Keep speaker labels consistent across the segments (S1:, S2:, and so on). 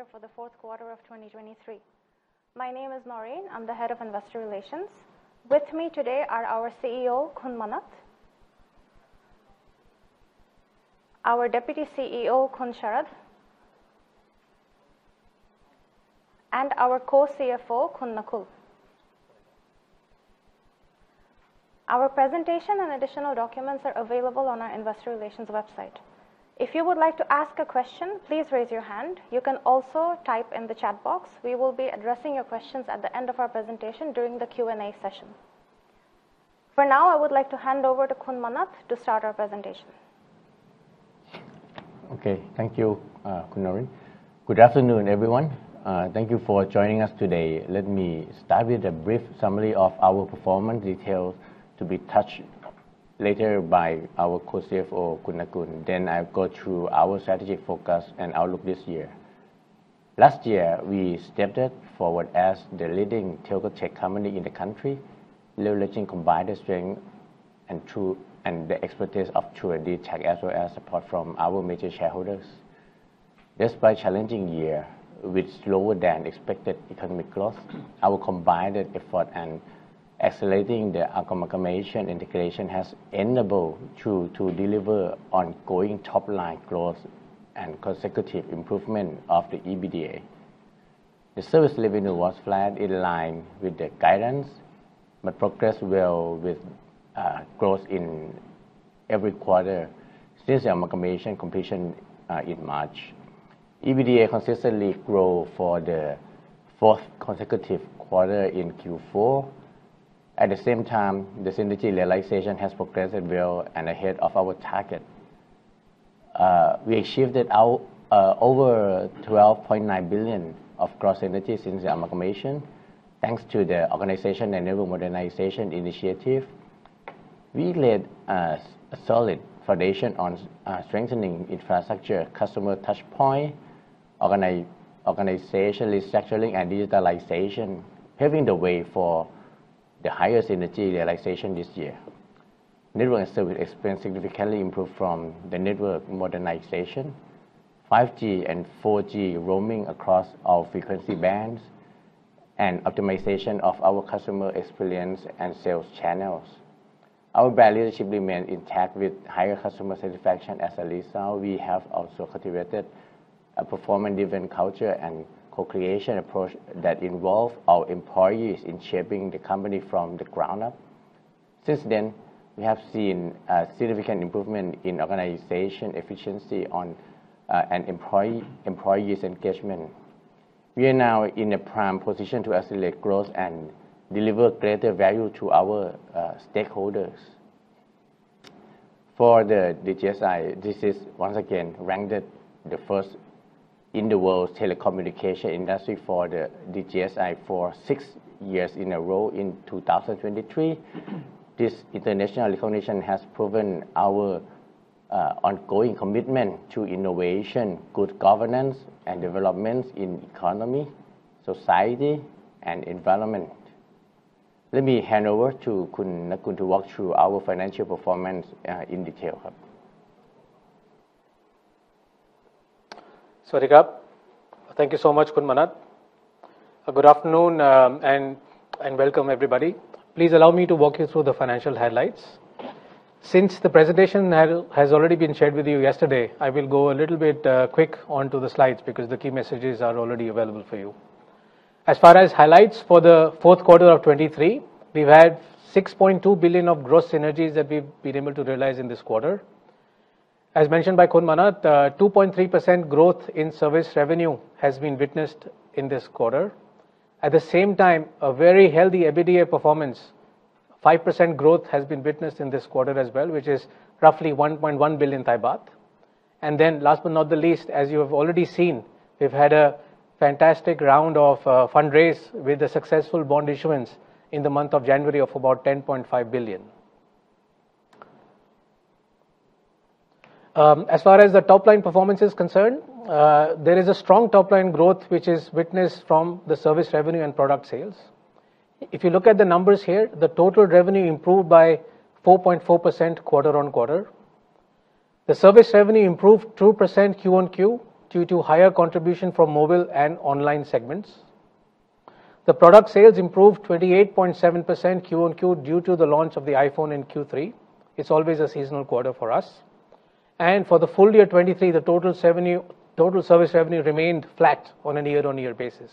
S1: Good afternoon, everyone. Welcome to True Corporation's earnings disclosure for the fourth quarter of 2023. My name is Naureen. I'm the head of investor relations. With me today are our CEO, Khun Manat, our deputy CEO, Khun Sharad, and our co-CFO, Khun Nakul. Our presentation and additional documents are available on our investor relations website. If you would like to ask a question, please raise your hand. You can also type in the chat box. We will be addressing your questions at the end of our presentation during the Q&A session. For now, I would like to hand over to Khun Manat to start our presentation.
S2: Okay. Thank you, Khun Naureen. Good afternoon, everyone. Thank you for joining us today. Let me start with a brief summary of our performance details to be touched later by our Co-CFO, Khun Nakul. Then I'll go through our strategic focus and outlook this year. Last year, we stepped forward as the leading telco tech company in the country, leveraging combined strength of True and the expertise of True and dtac as well as support from our major shareholders. Despite a challenging year with slower-than-expected economic growth, our combined effort in accelerating the amalgamation integration has enabled True to deliver ongoing top-line growth and consecutive improvement of the EBITDA. The service revenue was flat in line with the guidance, but progressed well with growth in every quarter since the amalgamation completion in March. EBITDA consistently grew for the fourth consecutive quarter in Q4. At the same time, the synergy realization has progressed well and ahead of our target. We achieved a total of over 12.9 billion of gross synergy since the amalgamation, thanks to the organization-enabled modernization initiative. We laid a solid foundation on strengthening infrastructure, customer touchpoint, organization restructuring, and digitalization, paving the way for the higher synergy realization this year. Network and service experience significantly improved from the network modernization, 5G and 4G roaming across all frequency bands, and optimization of our customer experience and sales channels. Our brand leadership remained intact with higher customer satisfaction. As a result, we have also cultivated a performance-driven culture and co-creation approach that involves our employees in shaping the company from the ground up. Since then, we have seen significant improvement in organizational efficiency and employee engagement. We are now in a prime position to accelerate growth and deliver greater value to our stakeholders. For the DJSI, this is, once again, ranked the first in the world telecommunication industry for the DJSI for six years in a row in 2023. This international recognition has proven our ongoing commitment to innovation, good governance, and developments in economy, society, and environment. Let me hand over to Khun Nakul to walk through our financial performance, in detail.
S3: Thank you so much, Khun Manat. Good afternoon, and welcome, everybody. Please allow me to walk you through the financial highlights. Since the presentation has already been shared with you yesterday, I will go a little bit, quick onto the slides because the key messages are already available for you. As far as highlights for the fourth quarter of 2023, we've had 6.2 billion of gross synergies that we've been able to realize in this quarter. As mentioned by Khun Manat, 2.3% growth in service revenue has been witnessed in this quarter. At the same time, a very healthy EBITDA performance, 5% growth, has been witnessed in this quarter as well, which is roughly 1.1 billion baht. And then, last but not the least, as you have already seen, we've had a fantastic round of fundraise with a successful bond issuance in the month of January of about 10.5 billion. As far as the top-line performance is concerned, there is a strong top-line growth which is witnessed from the service revenue and product sales. If you look at the numbers here, the total revenue improved by 4.4% quarter-on-quarter. The service revenue improved 2% Q-on-Q due to higher contribution from mobile and online segments. The product sales improved 28.7% Q-on-Q due to the launch of the iPhone in Q3. It's always a seasonal quarter for us. And for the full year 2023, the total revenue total service revenue remained flat on a year-on-year basis.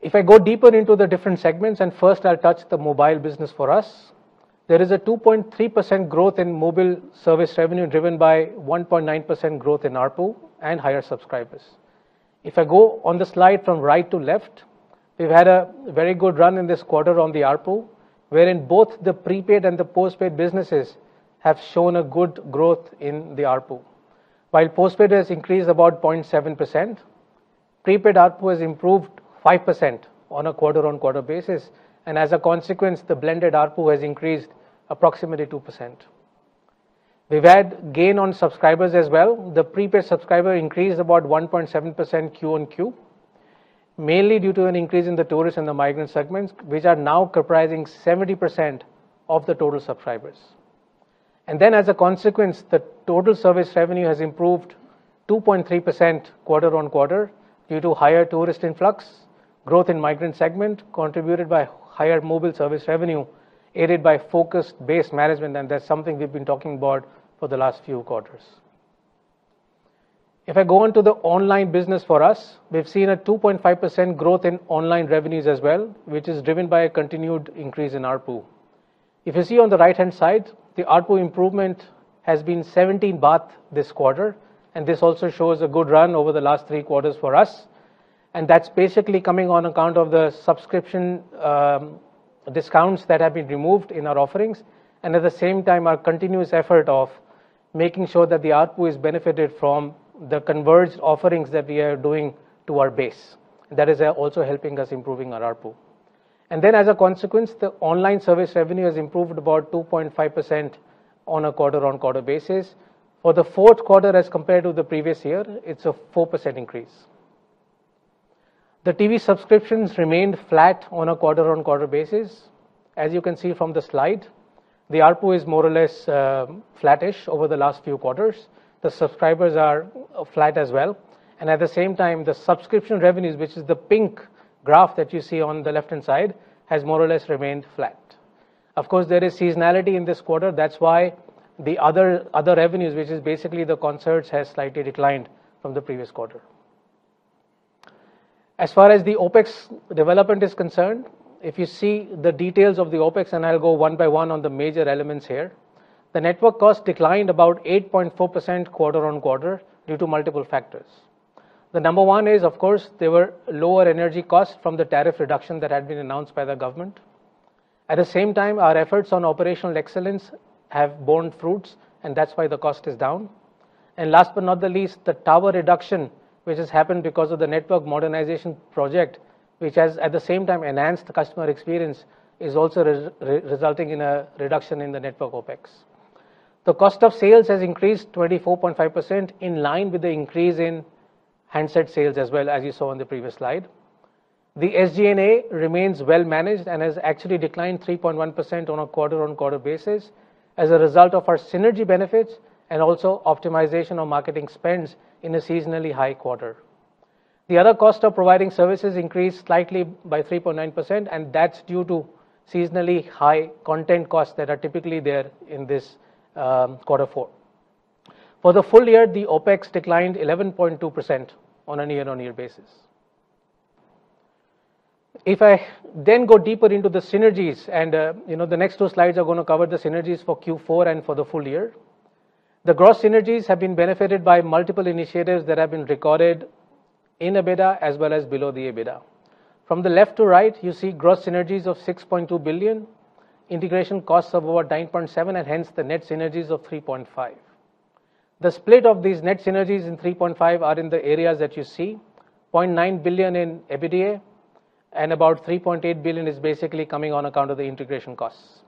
S3: If I go deeper into the different segments, and first I'll touch the mobile business for us, there is a 2.3% growth in mobile service revenue driven by 1.9% growth in ARPU and higher subscribers. If I go on the slide from right to left, we've had a very good run in this quarter on the ARPU, wherein both the prepaid and the postpaid businesses have shown a good growth in the ARPU. While postpaid has increased about 0.7%, prepaid ARPU has improved 5% on a quarter-on-quarter basis. And as a consequence, the blended ARPU has increased approximately 2%. We've had gain on subscribers as well. The prepaid subscriber increased about 1.7% quarter-on-quarter, mainly due to an increase in the tourist and the migrant segments, which are now comprising 70% of the total subscribers. Then, as a consequence, the total service revenue has improved 2.3% quarter-on-quarter due to higher tourist influx, growth in migrant segment contributed by higher mobile service revenue aided by focused base management. That's something we've been talking about for the last few quarters. If I go onto the online business for us, we've seen a 2.5% growth in online revenues as well, which is driven by a continued increase in ARPU. If you see on the right-hand side, the ARPU improvement has been 17 baht this quarter. And this also shows a good run over the last 3 quarters for us. That's basically coming on account of the subscription discounts that have been removed in our offerings. At the same time, our continuous effort of making sure that the ARPU is benefited from the converged offerings that we are doing to our base. That is also helping us improving our ARPU. And then, as a consequence, the online service revenue has improved about 2.5% on a quarter-on-quarter basis. For the fourth quarter, as compared to the previous year, it's a 4% increase. The TV subscriptions remained flat on a quarter-on-quarter basis. As you can see from the slide, the ARPU is more or less flattish over the last few quarters. The subscribers are flat as well. And at the same time, the subscription revenues, which is the pink graph that you see on the left-hand side, has more or less remained flat. Of course, there is seasonality in this quarter. That's why the other revenues, which is basically the concerts, have slightly declined from the previous quarter. As far as the OPEX development is concerned, if you see the details of the OPEX, and I'll go one by one on the major elements here, the network cost declined about 8.4% quarter-over-quarter due to multiple factors. The number one is, of course, there were lower energy costs from the tariff reduction that had been announced by the government. At the same time, our efforts on operational excellence have borne fruits. That's why the cost is down. Last but not the least, the tower reduction, which has happened because of the network modernization project, which has, at the same time, enhanced the customer experience, is also resulting in a reduction in the network OPEX. The cost of sales has increased 24.5% in line with the increase in handset sales as well, as you saw on the previous slide. The SG&A remains well-managed and has actually declined 3.1% on a quarter-on-quarter basis as a result of our synergy benefits and also optimization of marketing spends in a seasonally high quarter. The other cost of providing services increased slightly by 3.9%. And that's due to seasonally high content costs that are typically there in this, quarter four. For the full year, the OPEX declined 11.2% on a year-on-year basis. If I then go deeper into the synergies and, you know, the next two slides are gonna cover the synergies for Q4 and for the full year, the gross synergies have been benefited by multiple initiatives that have been recorded in EBITDA as well as below the EBITDA. From the left to right, you see gross synergies of 6.2 billion, integration costs of over 9.7 billion, and hence, the net synergies of 3.5 billion. The split of these net synergies in 3.5 are in the areas that you see: 0.9 billion in EBITDA and about 3.8 billion is basically coming on account of the integration costs,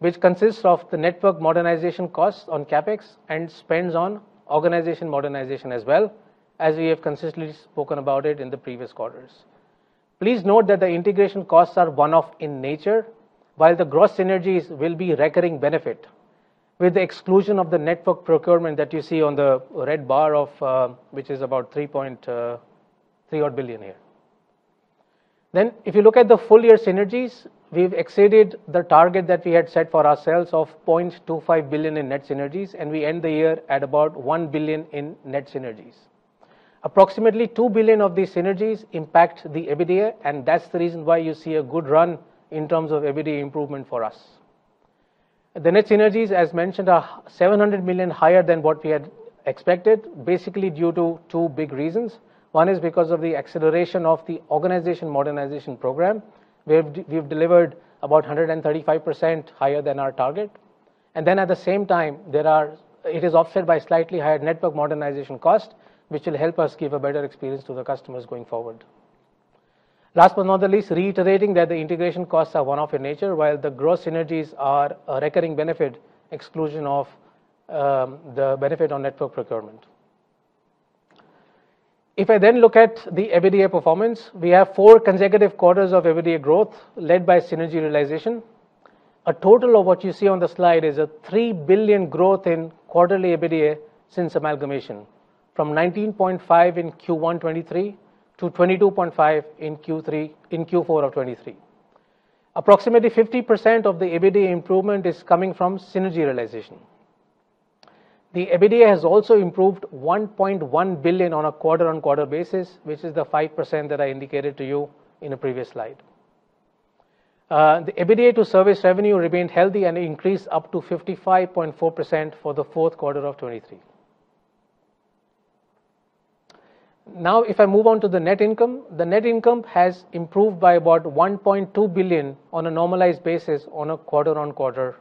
S3: which consists of the network modernization costs on CAPEX and spends on organization modernization as well, as we have consistently spoken about it in the previous quarters. Please note that the integration costs are one-off in nature, while the gross synergies will be recurring benefit with the exclusion of the network procurement that you see on the red bar of, which is about 3.3-odd billion here. Then, if you look at the full year synergies, we've exceeded the target that we had set for ourselves of 0.25 billion in net synergies. And we end the year at about 1 billion in net synergies. Approximately 2 billion of these synergies impact the EBITDA. And that's the reason why you see a good run in terms of EBITDA improvement for us. The net synergies, as mentioned, are 700 million higher than what we had expected, basically due to two big reasons. One is because of the acceleration of the organization modernization program. We've delivered about 135% higher than our target. And then, at the same time, it is offset by slightly higher network modernization cost, which will help us give a better experience to the customers going forward. Last but not the least, reiterating that the integration costs are one-off in nature, while the gross synergies are a recurring benefit exclusion of the benefit on network procurement. If I then look at the EBITDA performance, we have 4 consecutive quarters of EBITDA growth led by synergy realization. A total of what you see on the slide is a 3 billion growth in quarterly EBITDA since amalgamation from 19.5 billion in Q1 2023 to 22.5 billion in Q3 and Q4 of 2023. Approximately 50% of the EBITDA improvement is coming from synergy realization. The EBITDA has also improved 1.1 billion on a quarter-on-quarter basis, which is the 5% that I indicated to you in a previous slide. The EBITDA to service revenue remained healthy and increased up to 55.4% for the fourth quarter of 2023. Now, if I move on to the net income, the net income has improved by about 1.2 billion on a normalized basis on a quarter-on-quarter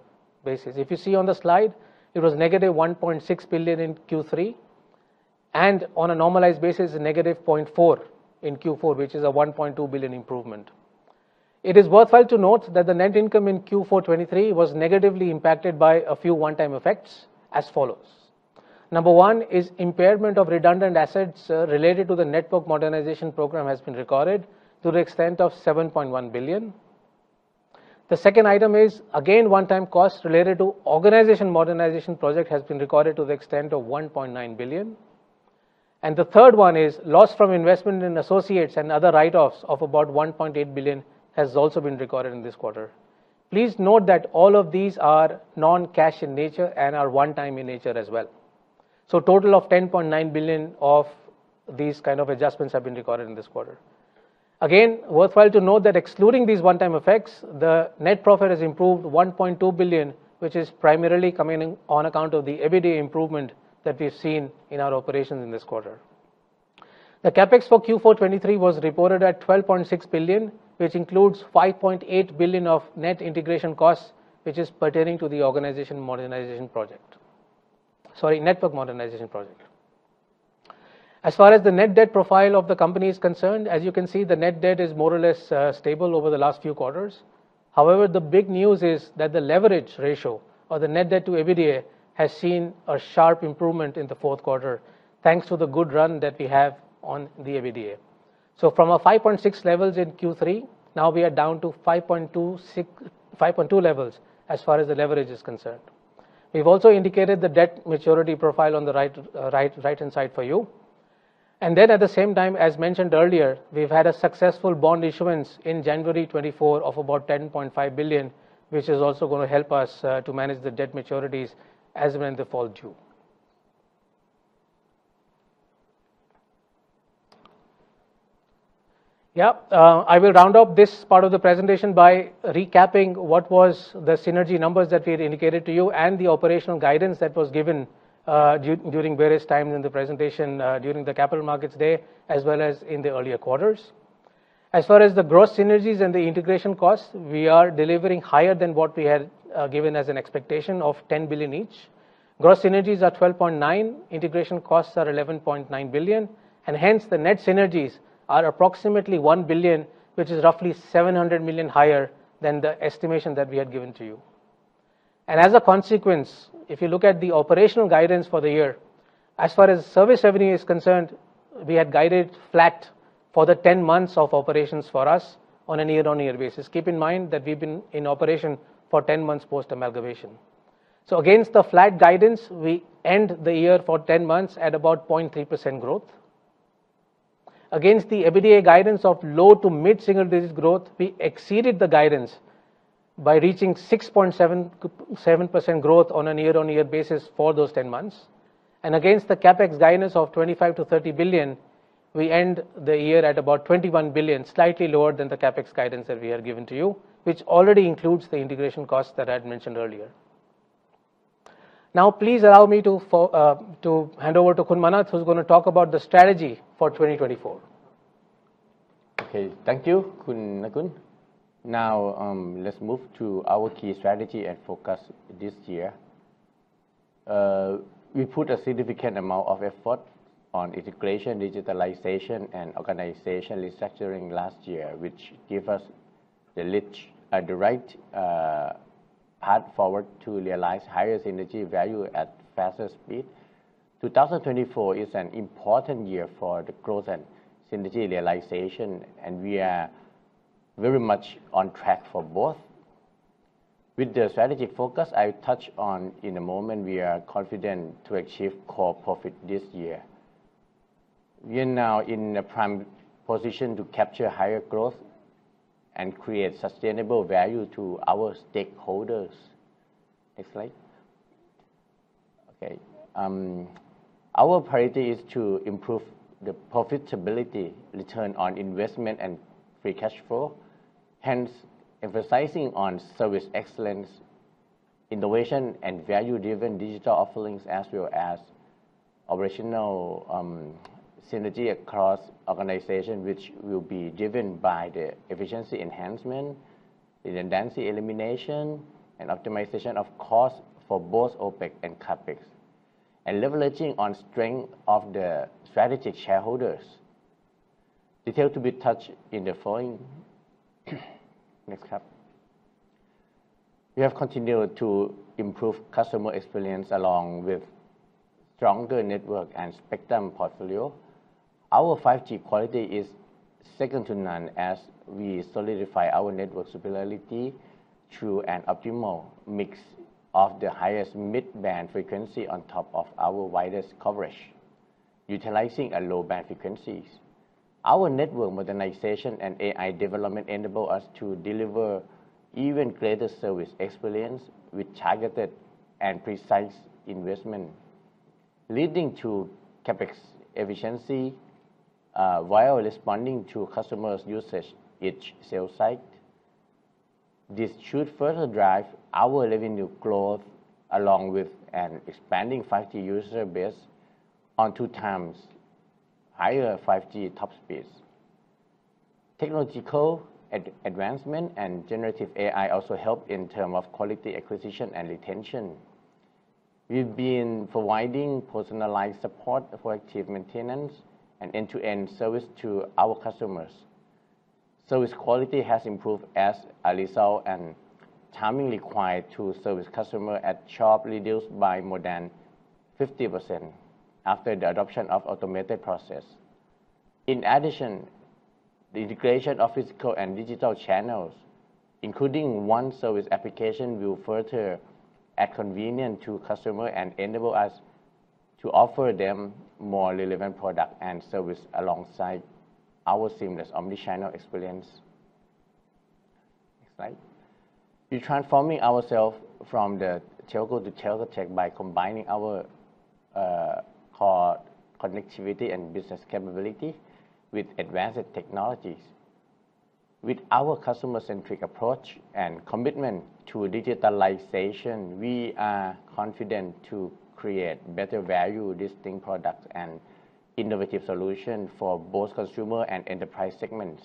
S3: basis. If you see on the slide, it was -1.6 billion in Q3 and on a normalized basis, -0.4 billion in Q4, which is a 1.2 billion improvement. It is worthwhile to note that the net income in Q4 2023 was negatively impacted by a few one-time effects as follows. Number one is impairment of redundant assets, related to the network modernization program has been recorded to the extent of 7.1 billion. The second item is, again, one-time costs related to organization modernization project has been recorded to the extent of 1.9 billion. The third one is loss from investment in associates and other write-offs of about 1.8 billion has also been recorded in this quarter. Please note that all of these are non-cash in nature and are one-time in nature as well. So a total of 10.9 billion of these kind of adjustments have been recorded in this quarter. Again, worthwhile to note that excluding these one-time effects, the net profit has improved 1.2 billion, which is primarily coming on account of the EBITDA improvement that we've seen in our operations in this quarter. The CAPEX for Q4 2023 was reported at 12.6 billion, which includes 5.8 billion of net integration costs, which is pertaining to the organization modernization project sorry, network modernization project. As far as the net debt profile of the company is concerned, as you can see, the net debt is more or less, stable over the last few quarters. However, the big news is that the leverage ratio, or the net debt to EBITDA, has seen a sharp improvement in the fourth quarter thanks to the good run that we have on the EBITDA. So from our 5.6 levels in Q3, now we are down to 5.26-5.2 levels as far as the leverage is concerned. We've also indicated the debt maturity profile on the right, right, right-hand side for you. And then, at the same time, as mentioned earlier, we've had a successful bond issuance in January 2024 of about 10.5 billion, which is also gonna help us to manage the debt maturities as well in the fall due. Yep. I will round off this part of the presentation by recapping what was the synergy numbers that we had indicated to you and the operational guidance that was given during various times in the presentation, during the Capital Markets Day as well as in the earlier quarters. As far as the gross synergies and the integration costs, we are delivering higher than what we had, given as an expectation of 10 billion each. Gross synergies are 12.9 billion. Integration costs are 11.9 billion. And hence, the net synergies are approximately 1 billion, which is roughly 700 million higher than the estimation that we had given to you. And as a consequence, if you look at the operational guidance for the year, as far as service revenue is concerned, we had guided flat for the 10 months of operations for us on a year-on-year basis. Keep in mind that we've been in operation for 10 months post-amalgamation. So against the flat guidance, we end the year for 10 months at about 0.3% growth. Against the EBITDA guidance of low to mid-single digit growth, we exceeded the guidance by reaching 6.7% growth on a year-on-year basis for those 10 months. Against the CAPEX guidance of 25 billion-30 billion, we end the year at about 21 billion, slightly lower than the CAPEX guidance that we have given to you, which already includes the integration costs that I had mentioned earlier. Now, please allow me to go to hand over to Khun Manat, who's gonna talk about the strategy for 2024.
S2: Okay. Thank you, Khun Nakul. Now, let's move to our key strategy and focus this year. We put a significant amount of effort on integration, digitalization, and organization restructuring last year, which gave us the leverage, the right path forward to realize higher synergy value at faster speed. 2024 is an important year for the growth and synergy realization. We are very much on track for both. With the strategic focus I'll touch on in a moment, we are confident to achieve core profit this year. We are now in a prime position to capture higher growth and create sustainable value to our stakeholders. Next slide. Okay. Our priority is to improve the profitability, return on investment, and free cash flow, hence emphasizing on service excellence, innovation, and value-driven digital offerings as well as operational synergy across organization, which will be driven by the efficiency enhancement, redundancy elimination, and optimization of costs for both OPEX and CAPEX, and leveraging on strength of the strategic shareholders. Details to be touched in the following. Next slide. We have continued to improve customer experience along with stronger network and spectrum portfolio. Our 5G quality is second to none as we solidify our network superiority through an optimal mix of the highest mid-band frequency on top of our widest coverage, utilizing a low-band frequency. Our network modernization and AI development enable us to deliver even greater service experience with targeted and precise investment, leading to CAPEX efficiency, while responding to customers' usage each cell site. This should further drive our revenue growth along with an expanding 5G user base on 2 times higher 5G top speeds. Technological advancement and generative AI also help in terms of quality acquisition and retention. We've been providing personalized support for active maintenance and end-to-end service to our customers. Service quality has improved as a result, and timing required to service customers at shop reduced by more than 50% after the adoption of automated process. In addition, the integration of physical and digital channels, including iService application, will further add convenience to customers and enable us to offer them more relevant products and services alongside our seamless omnichannel experience. Next slide. We're transforming ourselves from the telco to telco tech by combining our core connectivity and business capability with advanced technologies. With our customer-centric approach and commitment to digitalization, we are confident to create better value distinct products and innovative solutions for both consumer and enterprise segments.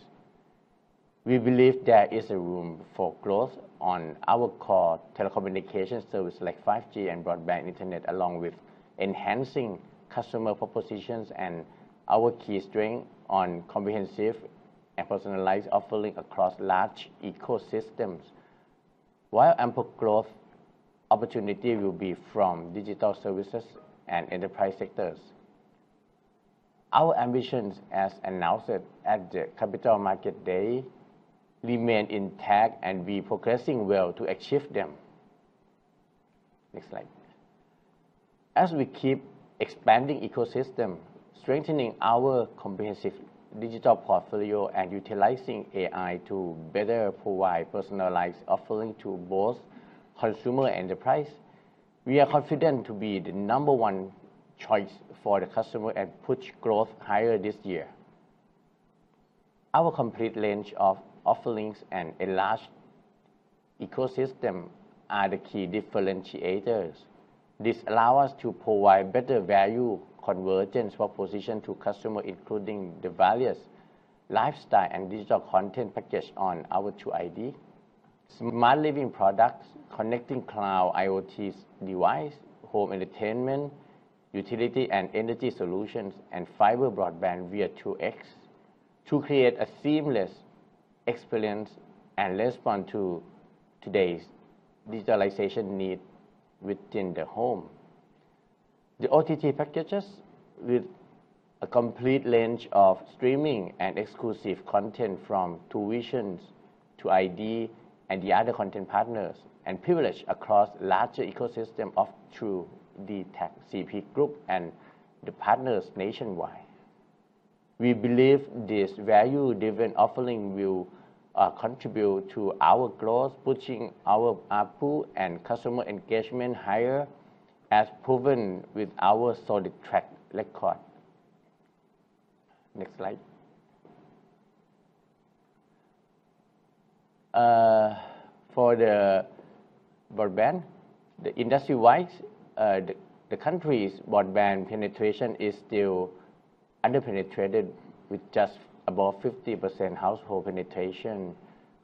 S2: We believe there is a room for growth on our core telecommunication service like 5G and broadband internet, along with enhancing customer propositions and our key strength on comprehensive and personalized offering across large ecosystems, while ample growth opportunity will be from digital services and enterprise sectors. Our ambitions, as announced at the Capital Markets Day, remain intact, and we're progressing well to achieve them. Next slide. As we keep expanding ecosystem, strengthening our comprehensive digital portfolio, and utilizing AI to better provide personalized offering to both consumer and enterprise, we are confident to be the number one choice for the customer and push growth higher this year. Our complete range of offerings and enlarged ecosystem are the key differentiators. This allows us to provide better value convergence proposition to customers, including the various lifestyle and digital content package on our TrueID, smart living products, connecting cloud IoT device, home entertainment, utility and energy solutions, and fiber broadband via TrueX to create a seamless experience and respond to today's digitalization needs within the home. The OTT packages with a complete range of streaming and exclusive content from TrueVisions to TrueID and the other content partners and privilege across larger ecosystems of True Digital Tech CP Group and the partners nationwide. We believe this value-driven offering will contribute to our growth, pushing our ARPU and customer engagement higher, as proven with our solid track record. Next slide. For the broadband, the industry-wide, the country's broadband penetration is still underpenetrated, with just above 50% household penetration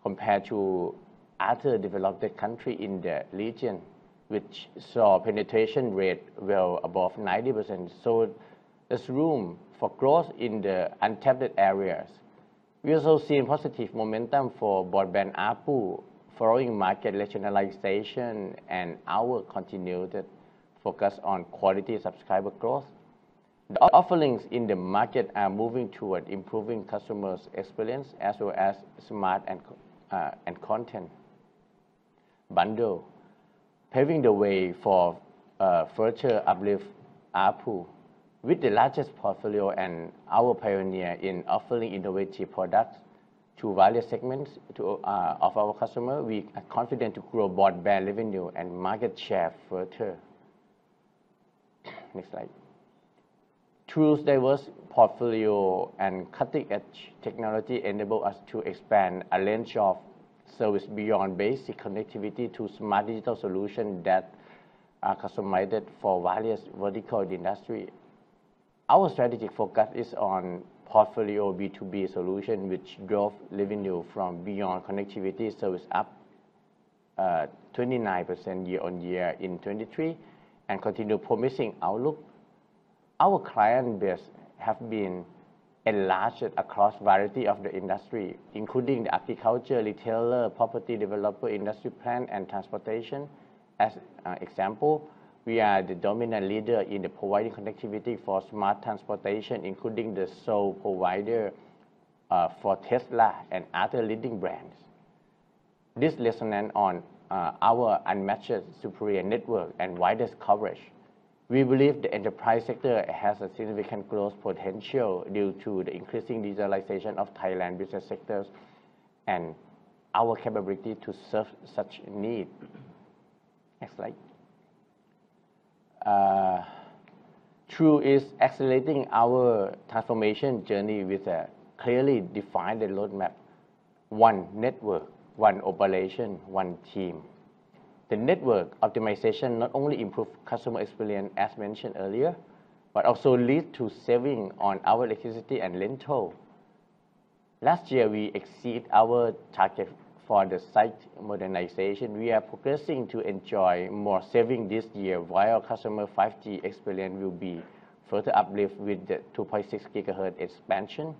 S2: compared to other developed countries in the region, which saw penetration rates well above 90%. So there's room for growth in the untapped areas. We also see a positive momentum for broadband ARPU following market regionalization and our continued focus on quality subscriber growth. The offerings in the market are moving toward improving customers' experience as well as smart and connected content bundle, paving the way for further uplift ARPU. With the largest portfolio and our pioneer in offering innovative products to various segments of our customers, we are confident to grow broadband revenue and market share further. Next slide. True's diverse portfolio and cutting-edge technology enable us to expand a range of service beyond basic connectivity to smart digital solutions that are customized for various vertical industries. Our strategic focus is on portfolio B2B solutions, which growth revenue from beyond connectivity service up 29% year-on-year in 2023 and continue promising outlook. Our client base has been enlarged across a variety of the industry, including the agriculture, retailer, property developer, industry plant, and transportation. For example, we are the dominant leader in providing connectivity for smart transportation, including the sole provider for Tesla and other leading brands. This is based on our unmatched superior network and widest coverage. We believe the enterprise sector has a significant growth potential due to the increasing digitalization of Thailand business sectors and our capability to serve such needs. Next slide. True is accelerating our transformation journey with a clearly defined roadmap: one network, one operation, one team. The network optimization not only improves customer experience, as mentioned earlier, but also leads to savings on our electricity and rental. Last year, we exceeded our target for the site modernization. We are progressing to enjoy more savings this year while our customer 5G experience will be further uplifted with the 2.6 GHz expansion.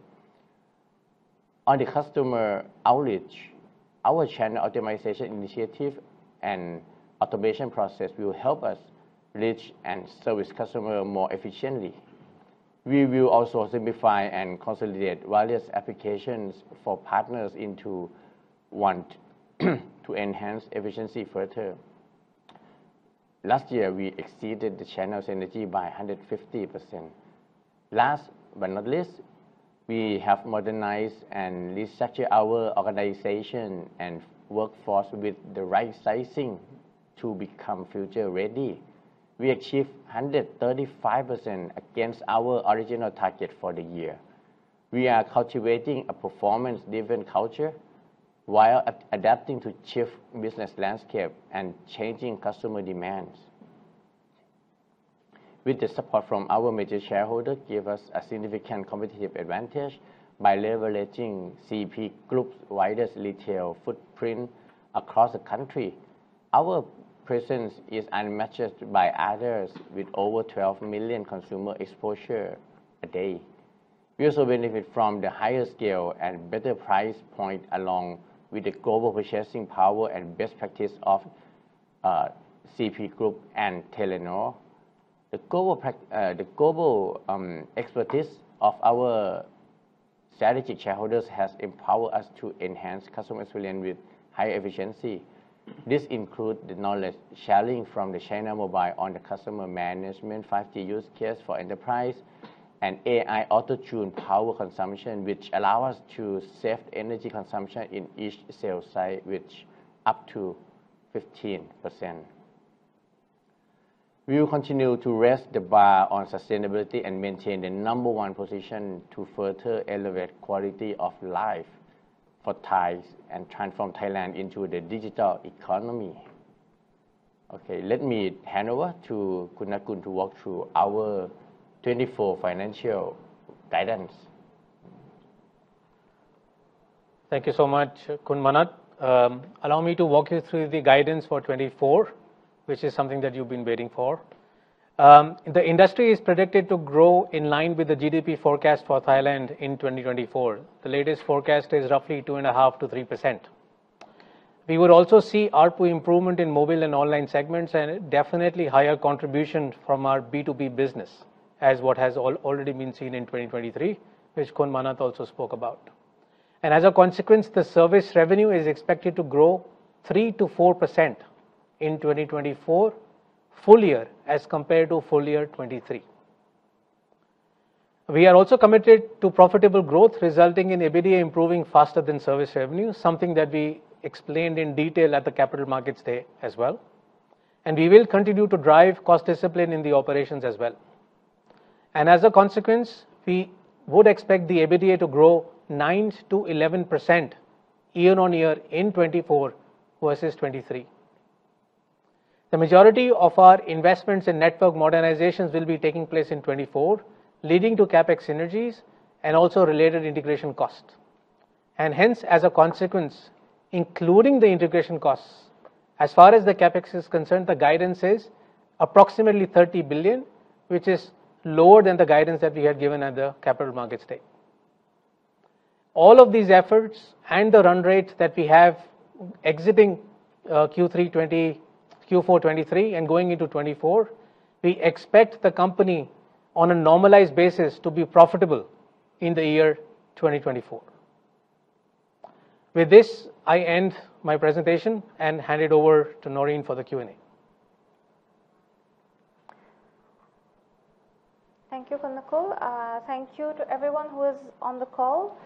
S2: On the customer outreach, our channel optimization initiative and automation process will help us reach and service customers more efficiently. We will also simplify and consolidate various applications for partners into one to enhance efficiency further. Last year, we exceeded the channel synergy by 150%. Last but not least, we have modernized and restructured our organization and workforce with the right sizing to become future-ready. We achieved 135% against our original target for the year. We are cultivating a performance-driven culture while adapting to a shifting business landscape and changing customer demands. With the support from our major shareholders, we gained a significant competitive advantage by leveraging CP Group's widest retail footprint across the country. Our presence is unmatched by others, with over 12 million consumers exposed a day. We also benefit from the higher scale and better price points, along with the global purchasing power and best practices of CP Group and Telenor. The global expertise of our strategic shareholders has empowered us to enhance customer experience with higher efficiency. This includes the knowledge sharing from China Mobile on the customer management 5G use case for enterprise and AI autotune power consumption, which allows us to save energy consumption in each sales site with up to 15%. We will continue to raise the bar on sustainability and maintain the number one position to further elevate quality of life for Thai and transform Thailand into the digital economy. Okay. Let me hand over to Nakul to walk through our 2024 financial guidance.
S3: Thank you so much, Khun Manat. Allow me to walk you through the guidance for 2024, which is something that you've been waiting for. The industry is predicted to grow in line with the GDP forecast for Thailand in 2024. The latest forecast is roughly 2.5%-3%. We will also see ARPU improvement in mobile and online segments and definitely higher contribution from our B2B business as what has already been seen in 2023, which Khun Manat also spoke about. And as a consequence, the service revenue is expected to grow 3%-4% in 2024, full year as compared to full year 2023. We are also committed to profitable growth, resulting in EBITDA improving faster than service revenue, something that we explained in detail at the Capital Markets Day as well. And we will continue to drive cost discipline in the operations as well. As a consequence, we would expect the EBITDA to grow 9%-11% year-on-year in 2024 versus 2023. The majority of our investments in network modernizations will be taking place in 2024, leading to CAPEX synergies and also related integration costs. Hence, as a consequence, including the integration costs, as far as the CAPEX is concerned, the guidance is approximately 30 billion, which is lower than the guidance that we had given at the Capital Markets Day. All of these efforts and the run rate that we have exiting Q3 2020, Q4 2023, and going into 2024, we expect the company on a normalized basis to be profitable in the year 2024. With this, I end my presentation and hand it over to Naureen for the Q&A.
S1: Thank you, Khun Nakul. Thank you to everyone who is on the call.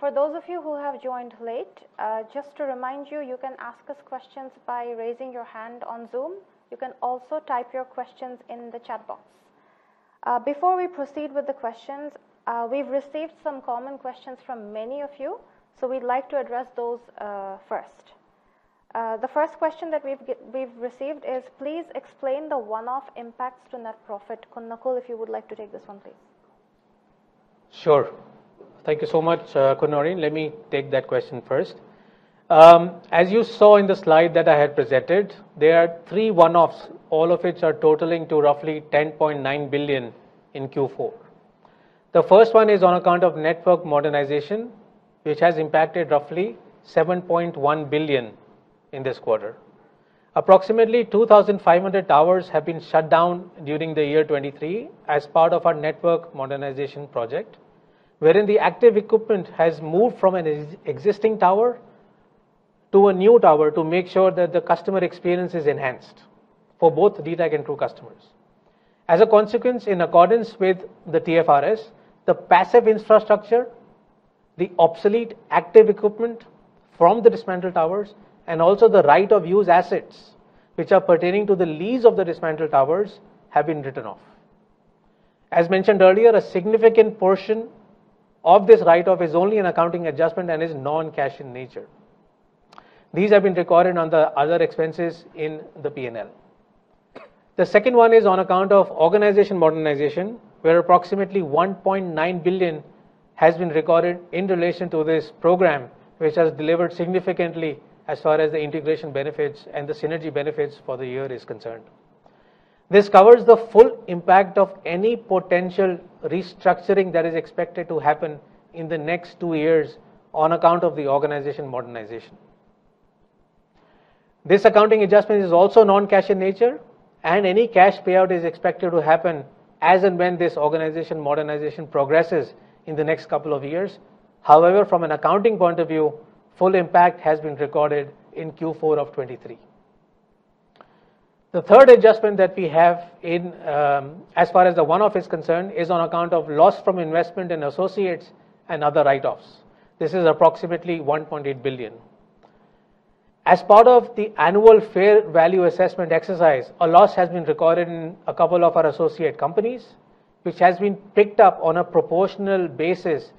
S1: For those of you who have joined late, just to remind you, you can ask us questions by raising your hand on Zoom. You can also type your questions in the chat box. Before we proceed with the questions, we've received some common questions from many of you, so we'd like to address those first. The first question that we've received is, "Please explain the one-off impacts to net profit." Khun Nakul, if you would like to take this one, please.
S3: Sure. Thank you so much. Khun Naureen, let me take that question first. As you saw in the slide that I had presented, there are three one-offs, all of which are totaling to roughly 10.9 billion in Q4. The first one is on account of network modernization, which has impacted roughly 7.1 billion in this quarter. Approximately 2,500 towers have been shut down during the year 2023 as part of our network modernization project, wherein the active equipment has moved from an ex-existing tower to a new tower to make sure that the customer experience is enhanced for both dtac and True customers. As a consequence, in accordance with the TFRS, the passive infrastructure, the obsolete active equipment from the dismantled towers, and also the right of use assets, which are pertaining to the lease of the dismantled towers, have been written off. As mentioned earlier, a significant portion of this write-off is only an accounting adjustment and is non-cash in nature. These have been recorded on the other expenses in the P&L. The second one is on account of organization modernization, where approximately 1.9 billion has been recorded in relation to this program, which has delivered significantly as far as the integration benefits and the synergy benefits for the year is concerned. This covers the full impact of any potential restructuring that is expected to happen in the next two years on account of the organization modernization. This accounting adjustment is also non-cash in nature, and any cash payout is expected to happen as and when this organization modernization progresses in the next couple of years. However, from an accounting point of view, full impact has been recorded in Q4 of 2023. The third adjustment that we have in, as far as the one-off is concerned, is on account of loss from investment in associates and other write-offs. This is approximately 1.8 billion. As part of the annual fair value assessment exercise, a loss has been recorded in a couple of our associate companies, which has been picked up on a proportional basis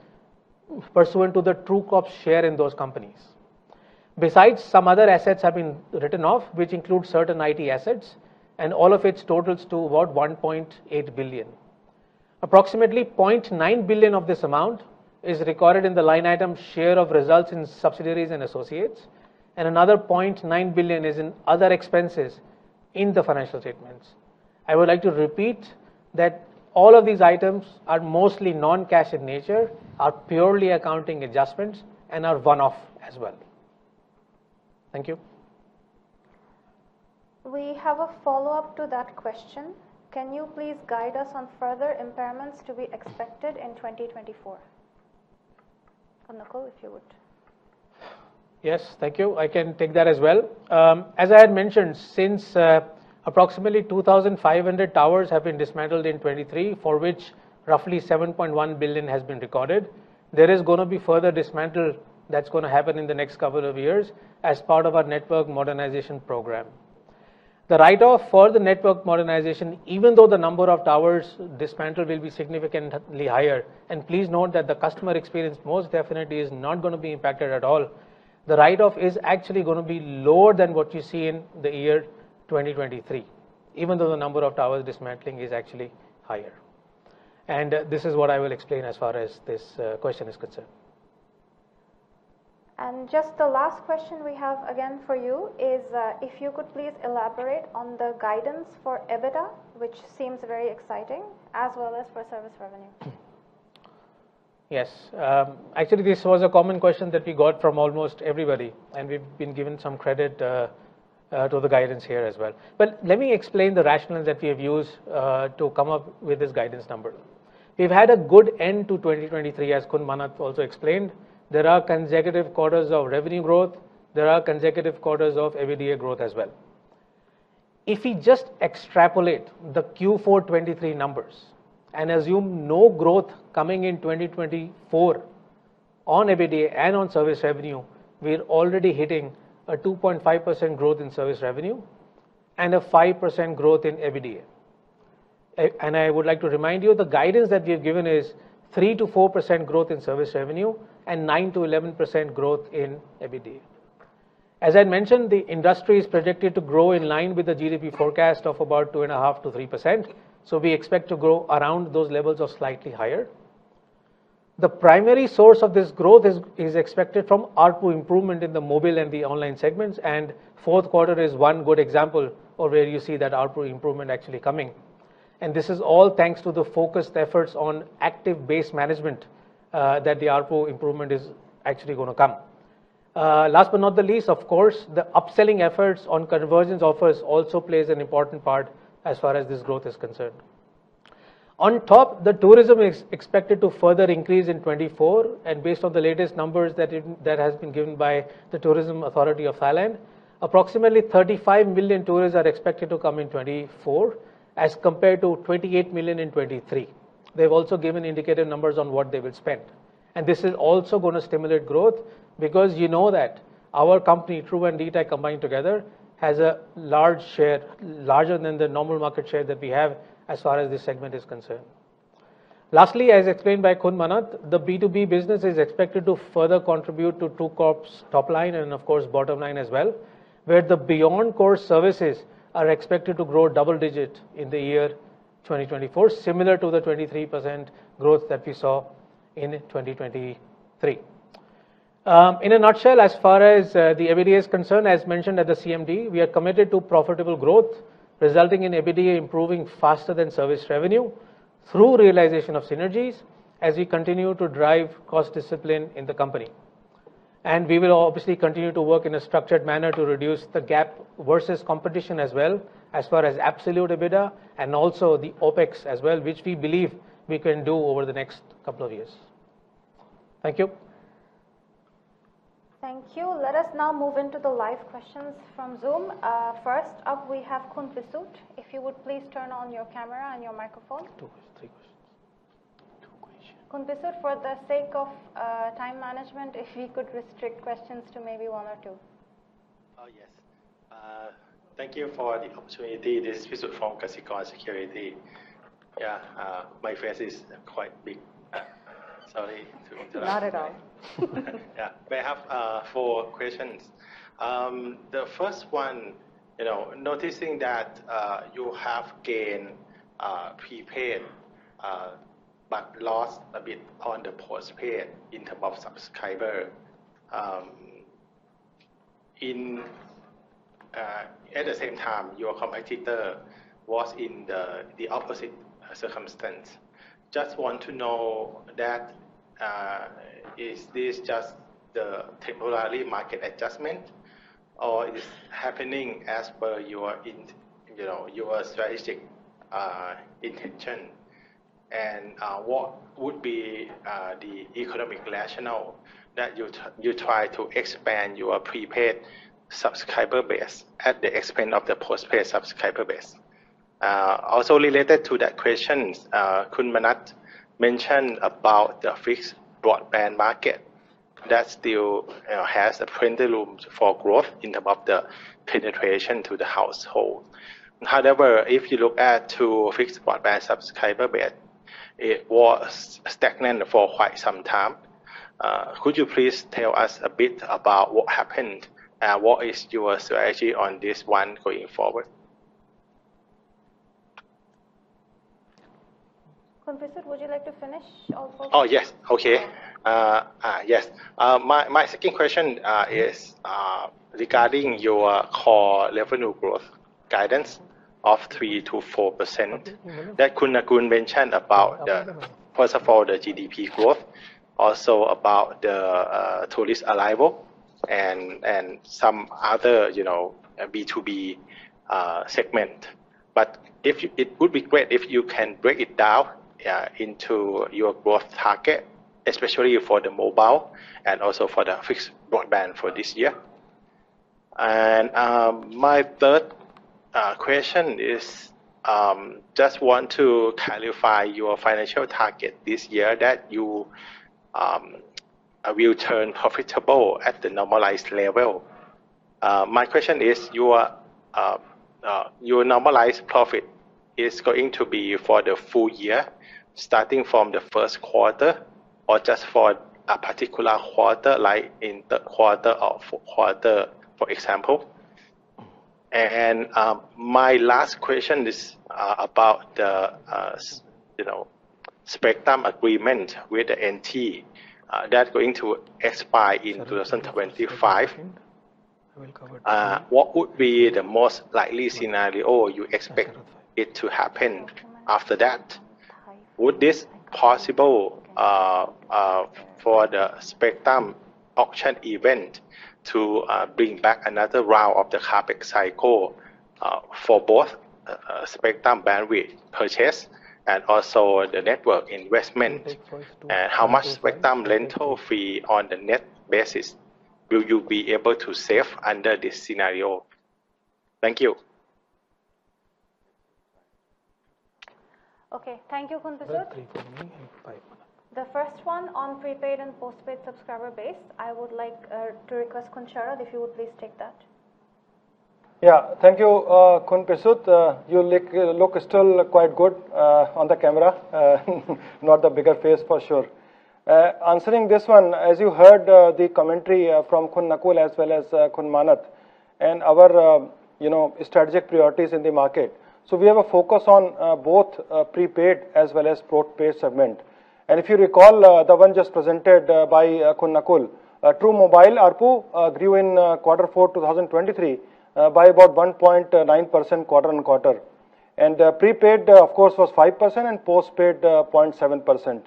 S3: pursuant to the TrueCorp share in those companies. Besides, some other assets have been written off, which include certain IT assets, and all of which totals to about 1.8 billion. Approximately 0.9 billion of this amount is recorded in the line item share of results in subsidiaries and associates, and another 0.9 billion is in other expenses in the financial statements. I would like to repeat that all of these items are mostly non-cash in nature, are purely accounting adjustments, and are one-off as well. Thank you.
S1: We have a follow-up to that question. Can you please guide us on further impairments to be expected in 2024? Khun Nakul, if you would.
S3: Yes. Thank you. I can take that as well. As I had mentioned, since approximately 2,500 towers have been dismantled in 2023, for which roughly 7.1 billion has been recorded, there is gonna be further dismantle that's gonna happen in the next couple of years as part of our network modernization program. The write-off for the network modernization, even though the number of towers dismantled will be significantly higher, and please note that the customer experience most definitely is not gonna be impacted at all, the write-off is actually gonna be lower than what you see in the year 2023, even though the number of towers dismantling is actually higher. This is what I will explain as far as this question is concerned.
S1: Just the last question we have again for you is, if you could please elaborate on the guidance for EBITDA, which seems very exciting, as well as for service revenue.
S3: Yes. Actually, this was a common question that we got from almost everybody, and we've been given some credit to the guidance here as well. But let me explain the rationale that we have used to come up with this guidance number. We've had a good end to 2023, as Khun Manat also explained. There are consecutive quarters of revenue growth. There are consecutive quarters of EBITDA growth as well. If we just extrapolate the Q4 2023 numbers and assume no growth coming in 2024 on EBITDA and on service revenue, we're already hitting a 2.5% growth in service revenue and a 5% growth in EBITDA. And I would like to remind you, the guidance that we have given is 3%-4% growth in service revenue and 9%-11% growth in EBITDA. As I mentioned, the industry is predicted to grow in line with the GDP forecast of about 2.5%-3%, so we expect to grow around those levels or slightly higher. The primary source of this growth is expected from ARPU improvement in the mobile and the online segments, and the fourth quarter is one good example of where you see that ARPU improvement actually coming. And this is all thanks to the focused efforts on active base management, that the ARPU improvement is actually gonna come. Last but not the least, of course, the upselling efforts on conversions offers also play an important part as far as this growth is concerned. On top, the tourism is expected to further increase in 2024, and based on the latest numbers that has been given by the Tourism Authority of Thailand, approximately 35 million tourists are expected to come in 2024 as compared to 28 million in 2023. They've also given indicative numbers on what they will spend. And this is also gonna stimulate growth because you know that our company, True and dtac combined together, has a large share larger than the normal market share that we have as far as this segment is concerned. Lastly, as explained by Khun Manat, the B2B business is expected to further contribute to TrueCorp's top line and, of course, bottom line as well, where the beyond-core services are expected to grow double-digit in the year 2024, similar to the 23% growth that we saw in 2023. In a nutshell, as far as the EBITDA is concerned, as mentioned at the CMD, we are committed to profitable growth resulting in EBITDA improving faster than service revenue through realization of synergies as we continue to drive cost discipline in the company. We will obviously continue to work in a structured manner to reduce the gap versus competition as well as far as absolute EBITDA and also the OPEX as well, which we believe we can do over the next couple of years. Thank you.
S1: Thank you. Let us now move into the live questions from Zoom. First up, we have Khun Pisut. If you would please turn on your camera and your microphone.
S4: 2 questions. 3 questions. 2 questions.
S1: Khun Pisut, for the sake of time management, if we could restrict questions to maybe one or two.
S4: Oh, yes. Thank you for the opportunity. This is Pisut from Kasikorn Securities. Yeah. My face is quite big. Sorry to interrupt.
S1: Not at all.
S4: Yeah. May I have four questions? The first one, you know, noticing that you have gained prepaid, but lost a bit on the postpaid in terms of subscriber. In, at the same time, your competitor was in the opposite circumstance. Just want to know that, is this just the temporary market adjustment, or is it happening as per your, you know, your strategic intention? And, what would be the economic rationale that you try to expand your prepaid subscriber base at the expense of the postpaid subscriber base? Also related to that question, Khun Manat mentioned about the fixed broadband market that still, you know, has a plenty of room for growth in terms of the penetration to the household. However, if you look at the fixed broadband subscriber base, it was stagnant for quite some time. Could you please tell us a bit about what happened, what is your strategy on this one going forward?
S1: Khun Pisut, would you like to finish or for?
S4: Oh, yes. Okay. Yes. My, my second question is regarding your core revenue growth guidance of 3%-4% that Khun Nakul mentioned about the first of all, the GDP growth, also about the tourist arrival and, and some other, you know, B2B segment. But if you, it would be great if you can break it down, yeah, into your growth target, especially for the mobile and also for the fixed broadband for this year. And my third question is, just want to clarify your financial target this year that you will turn profitable at the normalized level. My question is, your, your normalized profit is going to be for the full year starting from the first quarter or just for a particular quarter like in third quarter or fourth quarter, for example? My last question is, about the, as you know, spectrum agreement with the NT, that's going to expire in 2025. What would be the most likely scenario you expect it to happen after that? Would it be possible, for the spectrum auction event to, bring back another round of the CAPEX cycle, for both, spectrum bandwidth purchase and also the network investment? And how much spectrum rental fee on the net basis will you be able to save under this scenario? Thank you.
S1: Okay. Thank you, Khun Pisut. The first one on prepaid and postpaid subscriber base, I would like to request Khun Sharad, if you would please take that.
S3: Yeah. Thank you, Khun Pisut. You look still quite good on the camera. Not the bigger face for sure. Answering this one, as you heard, the commentary from Khun Nakul as well as Khun Manat and our, you know, strategic priorities in the market. So we have a focus on both prepaid as well as postpaid segment. And if you recall, the one just presented by Khun Nakul, True mobile ARPU grew in quarter four 2023 by about 1.9% quarter on quarter. And prepaid, of course, was 5% and postpaid 0.7%.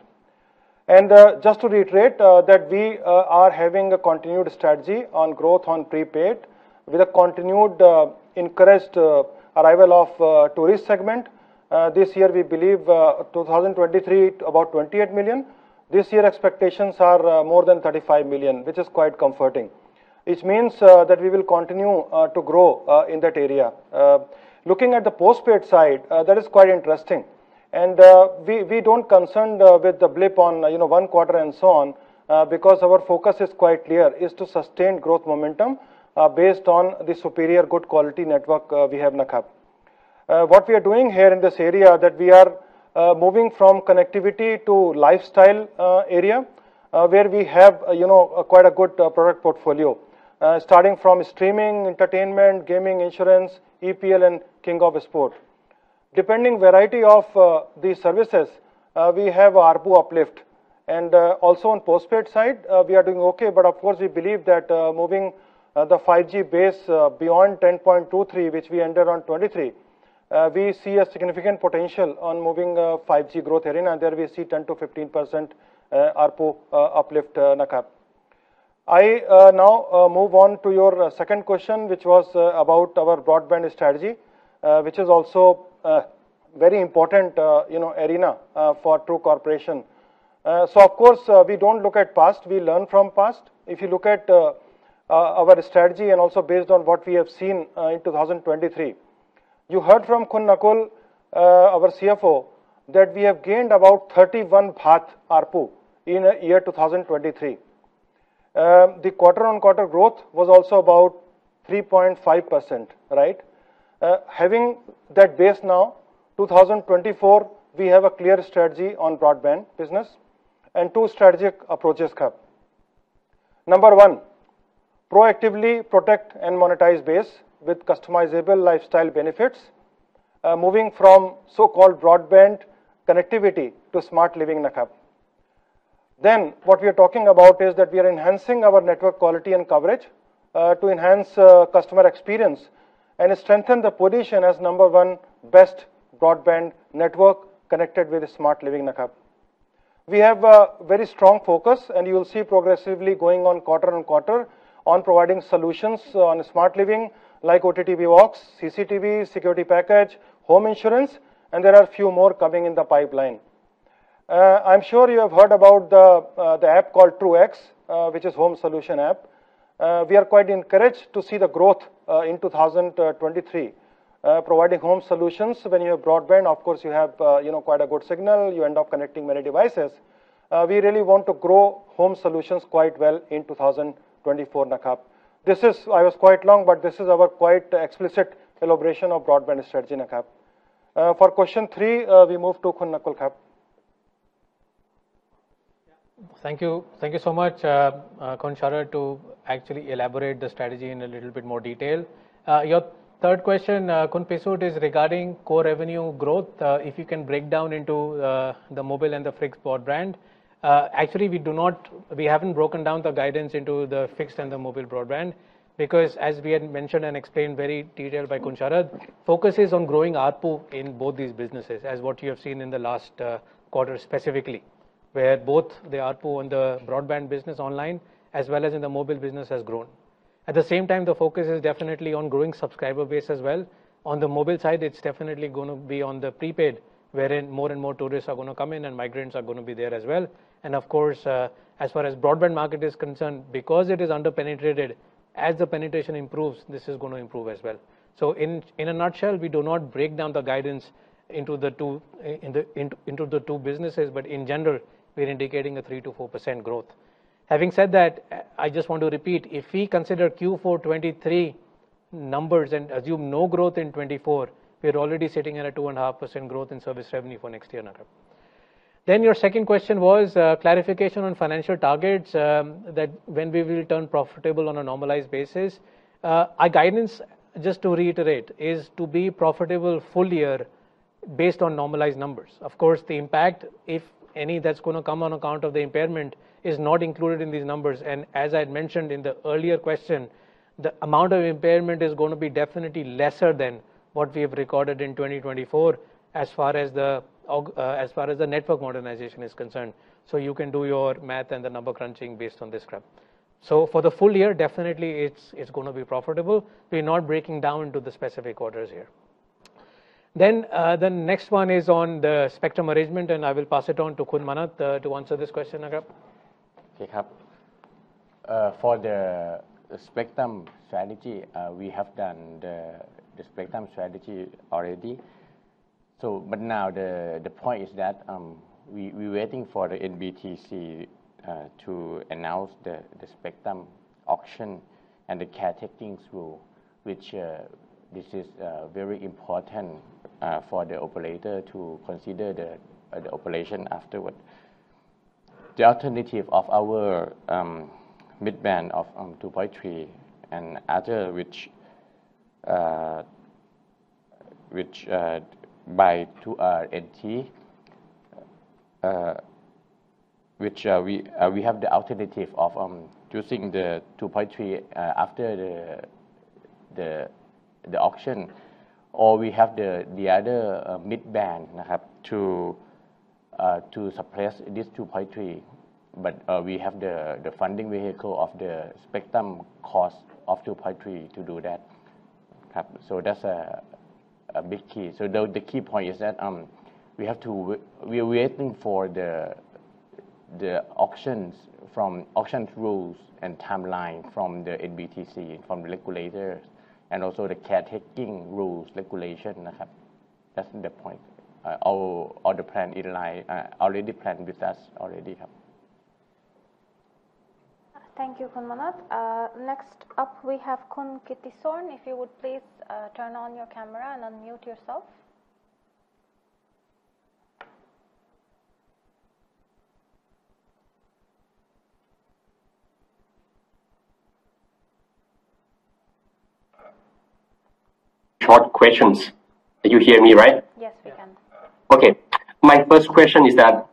S3: And just to reiterate that we are having a continued strategy on growth on prepaid with a continued encouraged arrival of tourist segment. This year, we believe, 2023, about 28 million. This year, expectations are more than 35 million, which is quite comforting. It means that we will continue to grow in that area. Looking at the postpaid side, that is quite interesting. We don't concern with the blip on, you know, one quarter and so on, because our focus is quite clear, is to sustain growth momentum, based on the superior good quality network we have in 5G. What we are doing here in this area is that we are moving from connectivity to lifestyle area, where we have, you know, quite a good product portfolio, starting from streaming, entertainment, gaming, insurance, EPL, and King of Sports. Depending on the variety of the services, we have ARPU uplift. Also on the postpaid side, we are doing okay, but of course, we believe that moving the 5G base beyond 10.23, which we entered on 2023, we see a significant potential on moving 5G growth area, and there we see 10%-15% ARPU uplift in 5G. I now move on to your second question, which was about our broadband strategy, which is also a very important, you know, arena for True Corporation. So of course, we don't look at the past. We learn from the past. If you look at our strategy and also based on what we have seen in 2023, you heard from Khun Nakul, our CFO, that we have gained about 31 THB ARPU in the year 2023. The quarter-on-quarter growth was also about 3.5%, right? Having that base now in 2024, we have a clear strategy on broadband business and two strategic approaches in na krub. Number one, proactively protect and monetize the base with customizable lifestyle benefits, moving from so-called broadband connectivity to smart living in na krub Then what we are talking about is that we are enhancing our network quality and coverage, to enhance customer experience and strengthen the position as number one best broadband network connected with smart living in a hub. We have a very strong focus, and you will see progressively, quarter-on-quarter, on providing solutions on smart living like OTT HVACs, CCTV security package, home insurance, and there are a few more coming in the pipeline. I'm sure you have heard about the app called TrueX, which is a home solution app. We are quite encouraged to see the growth in 2023 providing home solutions. When you have broadband, of course, you have, you know, quite a good signal. You end up connecting many devices. We really want to grow home solutions quite well in 2024 in a hub. This is quite long, but this is our quite explicit elaboration of broadband strategy in queue. For question three, we move to Khun Nakul in queue. Thank you. Thank you so much, Khun Sharad, to actually elaborate the strategy in a little bit more detail. Your third question, Khun Pisut, is regarding core revenue growth, if you can break down into the mobile and the fixed broadband. Actually, we haven't broken down the guidance into the fixed and the mobile broadband because, as we had mentioned and explained very detailed by Khun Sharad, the focus is on growing ARPU in both these businesses as what you have seen in the last quarter specifically, where both the ARPU and the broadband business online as well as in the mobile business has grown. At the same time, the focus is definitely on growing the subscriber base as well. On the mobile side, it's definitely going to be on the prepaid, wherein more and more tourists are going to come in, and migrants are going to be there as well. And of course, as far as the broadband market is concerned, because it is underpenetrated, as the penetration improves, this is going to improve as well. So in a nutshell, we do not break down the guidance into the two into the two businesses, but in general, we're indicating a 3%-4% growth. Having said that, I just want to repeat, if we consider Q4 2023 numbers and assume no growth in 2024, we're already sitting at a 2.5% growth in service revenue for next year in aggregate. Then your second question was, clarification on financial targets, that when we will turn profitable on a normalized basis. Our guidance, just to reiterate, is to be profitable full year based on normalized numbers. Of course, the impact, if any, that's going to come on account of the impairment is not included in these numbers. And as I had mentioned in the earlier question, the amount of impairment is going to be definitely lesser than what we have recorded in 2024 as far as the network modernization is concerned. So you can do your math and the number crunching based on this, krab. So for the full year, definitely, it's going to be profitable. We're not breaking down into the specific quarters here. Then, the next one is on the spectrum arrangement, and I will pass it on to Khun Manat, to answer this question in Thai.
S2: Okay. For the spectrum strategy, we have done the spectrum strategy already. So but now the point is that, we're waiting for the NBTC to announce the spectrum auction and the caretaking rule, which this is very important for the operator to consider the operation afterward. The alternative of our mid-band of 2.3 and after which by to our NT which we have the alternative of choosing the 2.3 after the auction, or we have the other mid-band, you know, to suppress this 2.3. But we have the funding vehicle of the spectrum cost of 2.3 to do that, Krab. So that's a big key. So the key point is that, we're waiting for the auction rules and timeline from the NBTC, from the regulators, and also the caretaking rules regulation, you know, krab. That's the point. All the plan is already planned with us already, krab.
S1: Thank you, Khun Manat. Next up, we have Khun Kittisorn. If you would please, turn on your camera and unmute yourself.
S5: Short questions. You hear me, right?
S1: Yes, we can.
S5: Okay. My first question is that,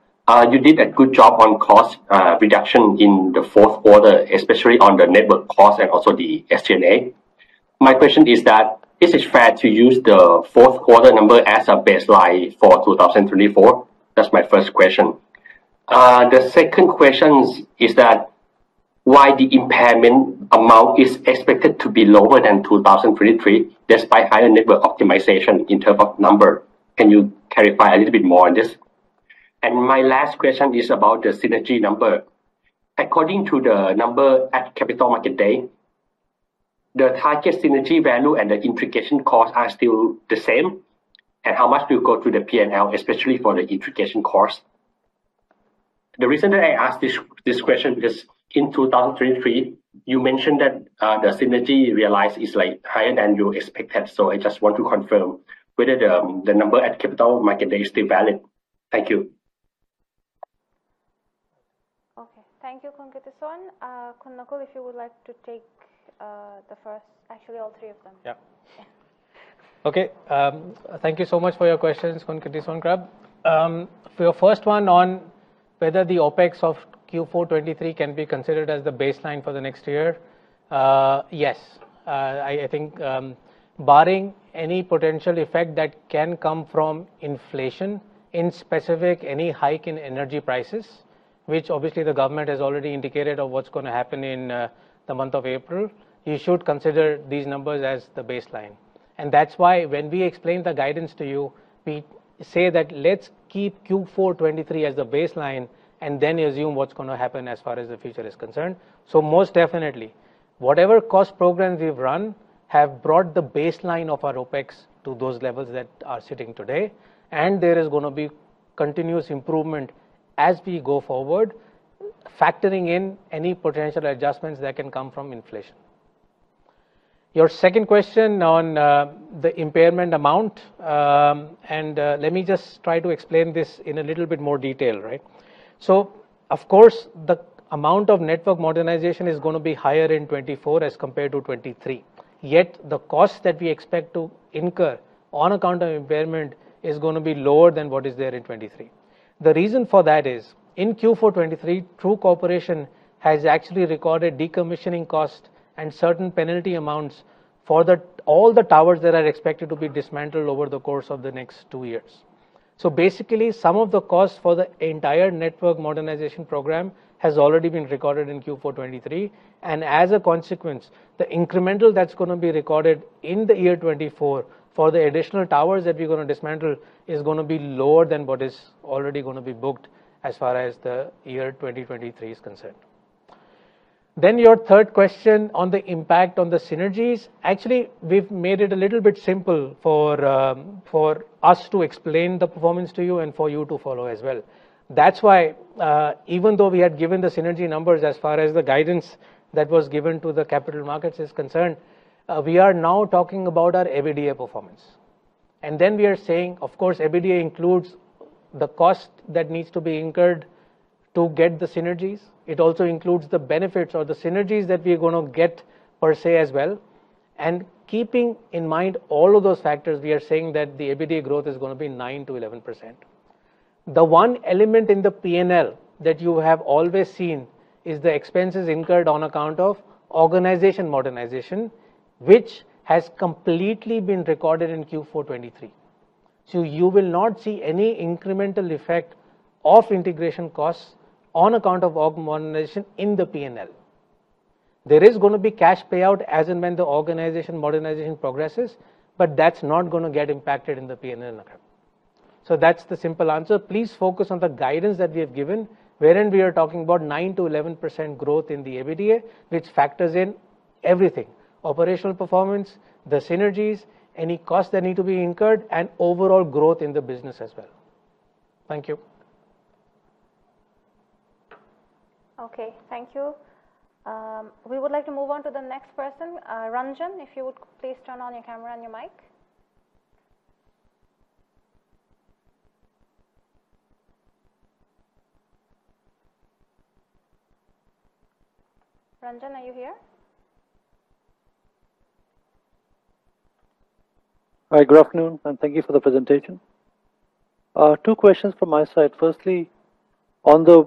S5: you did a good job on cost reduction in the fourth quarter, especially on the network cost and also the SG&A. My question is that, is it fair to use the fourth quarter number as a baseline for 2024? That's my first question. The second question is that, why is the impairment amount expected to be lower than 2023 despite higher network optimization in terms of number? Can you clarify a little bit more on this? And my last question is about the synergy number. According to the number at Capital Market Day, the target synergy value and the integration cost are still the same? And how much will go through the P&L, especially for the integration cost? The reason that I ask this this question is because in 2023, you mentioned that, the synergy realized is, like, higher than you expected. I just want to confirm whether the number at Capital Markets Day is still valid. Thank you.
S1: Okay. Thank you, Khun Kittisorn. Khun Nakul, if you would like to take the first actually, all three of them.
S3: Yeah. Okay. Thank you so much for your questions, Khun Kittisorn, Krab. For your first one on whether the OPEX of Q4 2023 can be considered as the baseline for the next year, yes. I think, barring any potential effect that can come from inflation in specific any hike in energy prices, which obviously the government has already indicated of what's going to happen in the month of April, you should consider these numbers as the baseline. And that's why when we explain the guidance to you, we say that let's keep Q4 2023 as the baseline and then assume what's going to happen as far as the future is concerned. So most definitely, whatever cost programs we've run have brought the baseline of our OPEX to those levels that are sitting today, and there is going to be continuous improvement as we go forward, factoring in any potential adjustments that can come from inflation. Your second question on, the impairment amount, and, let me just try to explain this in a little bit more detail, right? So of course, the amount of network modernization is going to be higher in 2024 as compared to 2023, yet the cost that we expect to incur on account of impairment is going to be lower than what is there in 2023. The reason for that is in Q4 2023, True Corporation has actually recorded decommissioning costs and certain penalty amounts for all the towers that are expected to be dismantled over the course of the next two years. So basically, some of the costs for the entire network modernization program has already been recorded in Q4 2023, and as a consequence, the incremental that's going to be recorded in the year 2024 for the additional towers that we're going to dismantle is going to be lower than what is already going to be booked as far as the year 2023 is concerned. Then your third question on the impact on the synergies. Actually, we've made it a little bit simple for us to explain the performance to you and for you to follow as well. That's why, even though we had given the synergy numbers as far as the guidance that was given to the capital markets is concerned, we are now talking about our everyday performance. And then we are saying, of course, everyday includes the cost that needs to be incurred to get the synergies. It also includes the benefits or the synergies that we're going to get per se as well. Keeping in mind all of those factors, we are saying that the EBITDA growth is going to be 9%-11%. The one element in the P&L that you have always seen is the expenses incurred on account of organization modernization, which has completely been recorded in Q4 2023. So you will not see any incremental effect of integration costs on account of organization in the P&L. There is going to be cash payout as and when the organization modernization progresses, but that's not going to get impacted in the P&L in 2024. So that's the simple answer. Please focus on the guidance that we have given wherein we are talking about 9%-11% growth in the everyday, which factors in everything: operational performance, the synergies, any costs that need to be incurred, and overall growth in the business as well. Thank you.
S1: Okay. Thank you. We would like to move on to the next person. Ranjan, if you would please turn on your camera and your mic. Ranjan, are you here?
S6: Hi. Good afternoon. And thank you for the presentation. Two questions from my side. Firstly, on the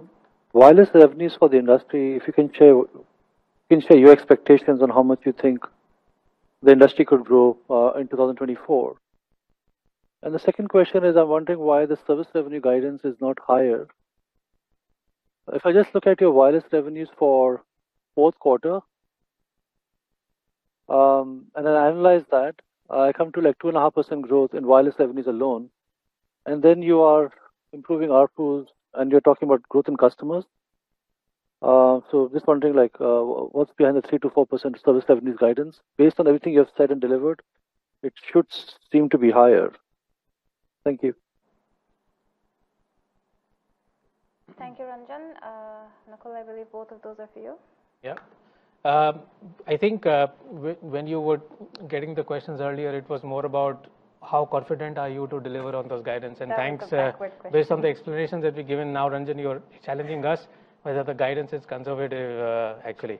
S6: wireless revenues for the industry, if you can share your expectations on how much you think the industry could grow in 2024. And the second question is, I'm wondering why the service revenue guidance is not higher. If I just look at your wireless revenues for fourth quarter, and then analyze that, I come to, like, 2.5% growth in wireless revenues alone. And then you are improving ARPUs, and you're talking about growth in customers. So just wondering, like, what's behind the 3%-4% service revenues guidance? Based on everything you have said and delivered, it should seem to be higher. Thank you.
S1: Thank you, Ranjan. Nakul, I believe both of those are for you.
S3: Yeah. I think, when you were getting the questions earlier, it was more about how confident are you to deliver on those guidances. And thanks, based on the explanations that we've given now, Ranjan, you're challenging us whether the guidance is conservative, actually.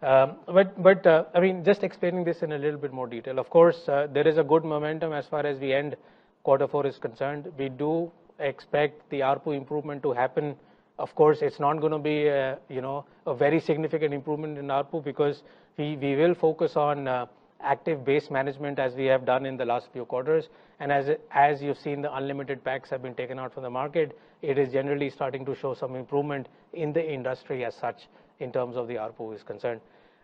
S3: But, I mean, just explaining this in a little bit more detail. Of course, there is a good momentum as far as the end quarter four is concerned. We do expect the ARPU improvement to happen. Of course, it's not going to be a, you know, a very significant improvement in ARPU because we will focus on active base management as we have done in the last few quarters. And as you've seen, the unlimited packs have been taken out from the market. It is generally starting to show some improvement in the industry as such in terms of the ARPU is concerned.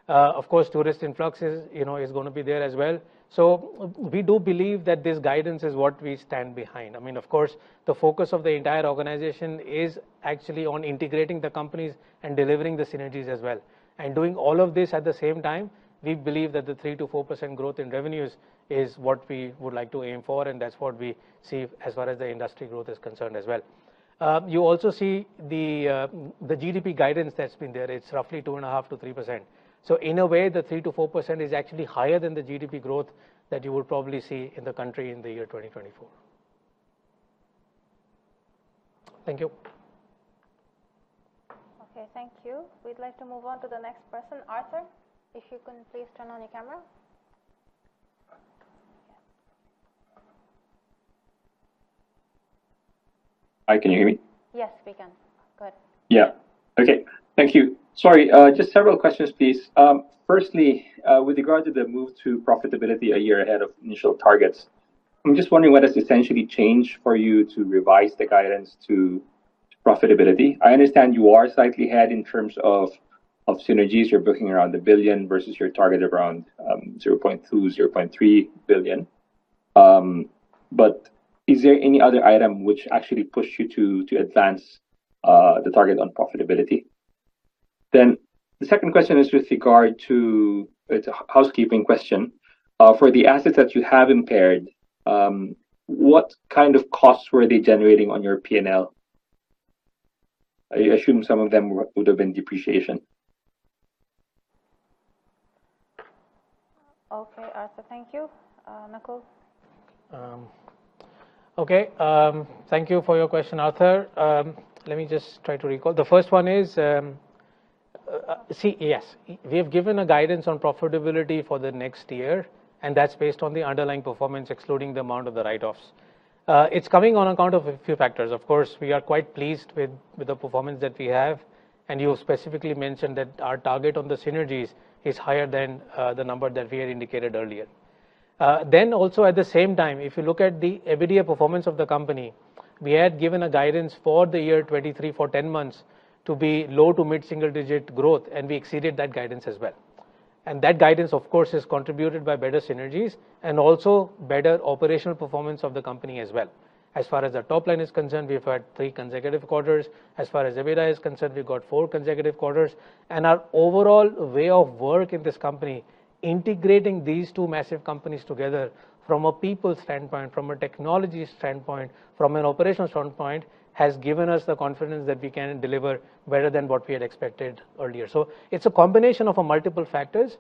S3: Of course, tourist influx is, you know, is going to be there as well. So we do believe that this guidance is what we stand behind. I mean, of course, the focus of the entire organization is actually on integrating the companies and delivering the synergies as well. And doing all of this at the same time, we believe that the 3%-4% growth in revenues is what we would like to aim for, and that's what we see as far as the industry growth is concerned as well. You also see the, the GDP guidance that's been there. It's roughly 2.5%-3%. So in a way, the 3%-4% is actually higher than the GDP growth that you would probably see in the country in the year 2024. Thank you.
S1: Okay. Thank you. We'd like to move on to the next person. Arthur, if you can please turn on your camera.
S7: Hi. Can you hear me?
S1: Yes, we can. Good.
S7: Yeah. Okay. Thank you. Sorry. Just several questions, please. Firstly, with regard to the move to profitability a year ahead of initial targets, I'm just wondering what has essentially changed for you to revise the guidance to profitability. I understand you are slightly ahead in terms of synergies. You're booking around 1 billion versus your target around 0.2 billion-0.3 billion. But is there any other item which actually pushed you to advance the target on profitability? Then the second question is, with regard to it's a housekeeping question. For the assets that you have impaired, what kind of costs were they generating on your P&L? I assume some of them would have been depreciation.
S1: Okay. Arthur, thank you. Nakul?
S3: Okay. Thank you for your question, Arthur. Let me just try to recall. The first one is, see, yes. We have given a guidance on profitability for the next year, and that's based on the underlying performance excluding the amount of the write-offs. It's coming on account of a few factors. Of course, we are quite pleased with with the performance that we have, and you have specifically mentioned that our target on the synergies is higher than the number that we had indicated earlier. Then also at the same time, if you look at the everyday performance of the company, we had given a guidance for the year 2023 for 10 months to be low- to mid-single-digit growth, and we exceeded that guidance as well. That guidance, of course, is contributed by better synergies and also better operational performance of the company as well. As far as the top line is concerned, we've had three consecutive quarters. As far as everyday is concerned, we've got four consecutive quarters. Our overall way of work in this company, integrating these two massive companies together from a people standpoint, from a technology standpoint, from an operational standpoint, has given us the confidence that we can deliver better than what we had expected earlier. So it's a combination of multiple factors.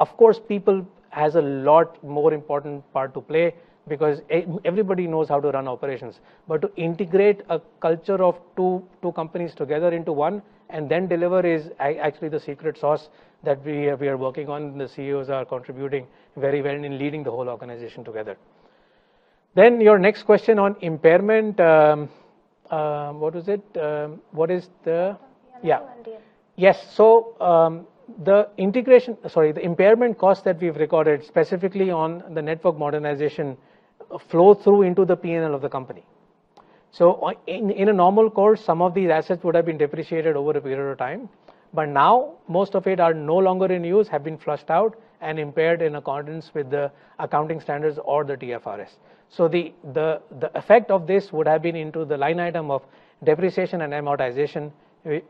S3: Of course, people have a lot more important part to play because everybody knows how to run operations. But to integrate a culture of two two companies together into one and then deliver is actually the secret sauce that we are we are working on. The CEOs are contributing very well in leading the whole organization together. Then your next question on impairment, what was it? What is the?
S1: Naureen Quayum. Yeah.
S3: Yes. So, the integration sorry, the impairment costs that we've recorded specifically on the network modernization flow through into the P&L of the company. So in a normal course, some of these assets would have been depreciated over a period of time. But now, most of it are no longer in use, have been flushed out, and impaired in accordance with the accounting standards or the TFRS. So the effect of this would have been into the line item of depreciation and amortization,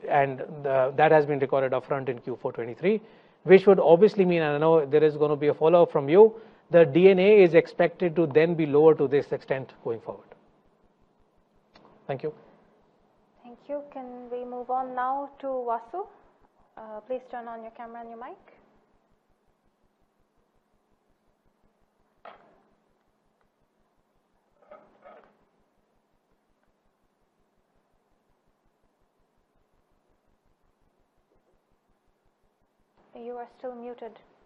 S3: and that has been recorded upfront in Q4 2023, which would obviously mean and I know there is going to be a follow-up from you. The D&A is expected to then be lower to this extent going forward. Thank you.
S1: Thank you. Can we move on now to Wasu? Please turn on your camera and your mic. You are still muted.
S8: For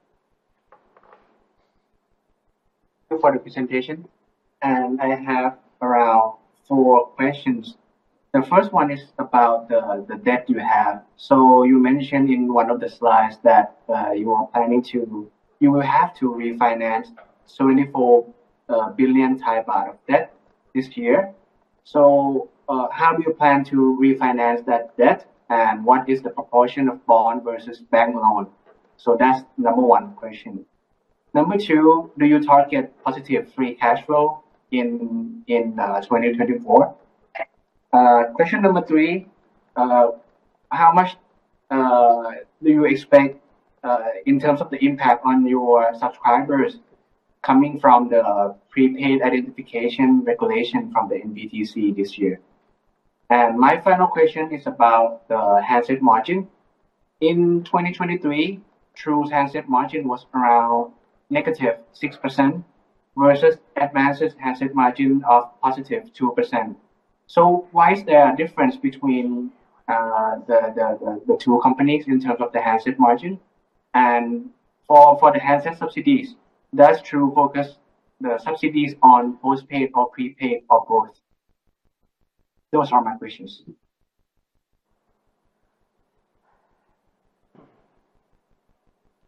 S8: the presentation, I have around four questions. The first one is about the debt you have. So you mentioned in one of the slides that you will have to refinance 74 billion baht of debt this year. So how do you plan to refinance that debt, and what is the proportion of bond versus bank loan? So that's number one question. Number two, do you target positive free cash flow in 2024? Question number three, how much do you expect in terms of the impact on your subscribers coming from the prepaid identification regulation from the NBTC this year? And my final question is about the handset margin. In 2023, True's handset margin was around -6% versus Advanced's handset margin of +2%. So why is there a difference between the two companies in terms of the handset margin? For the handset subsidies, does True focus the subsidies on postpaid or prepaid or both? Those are my questions.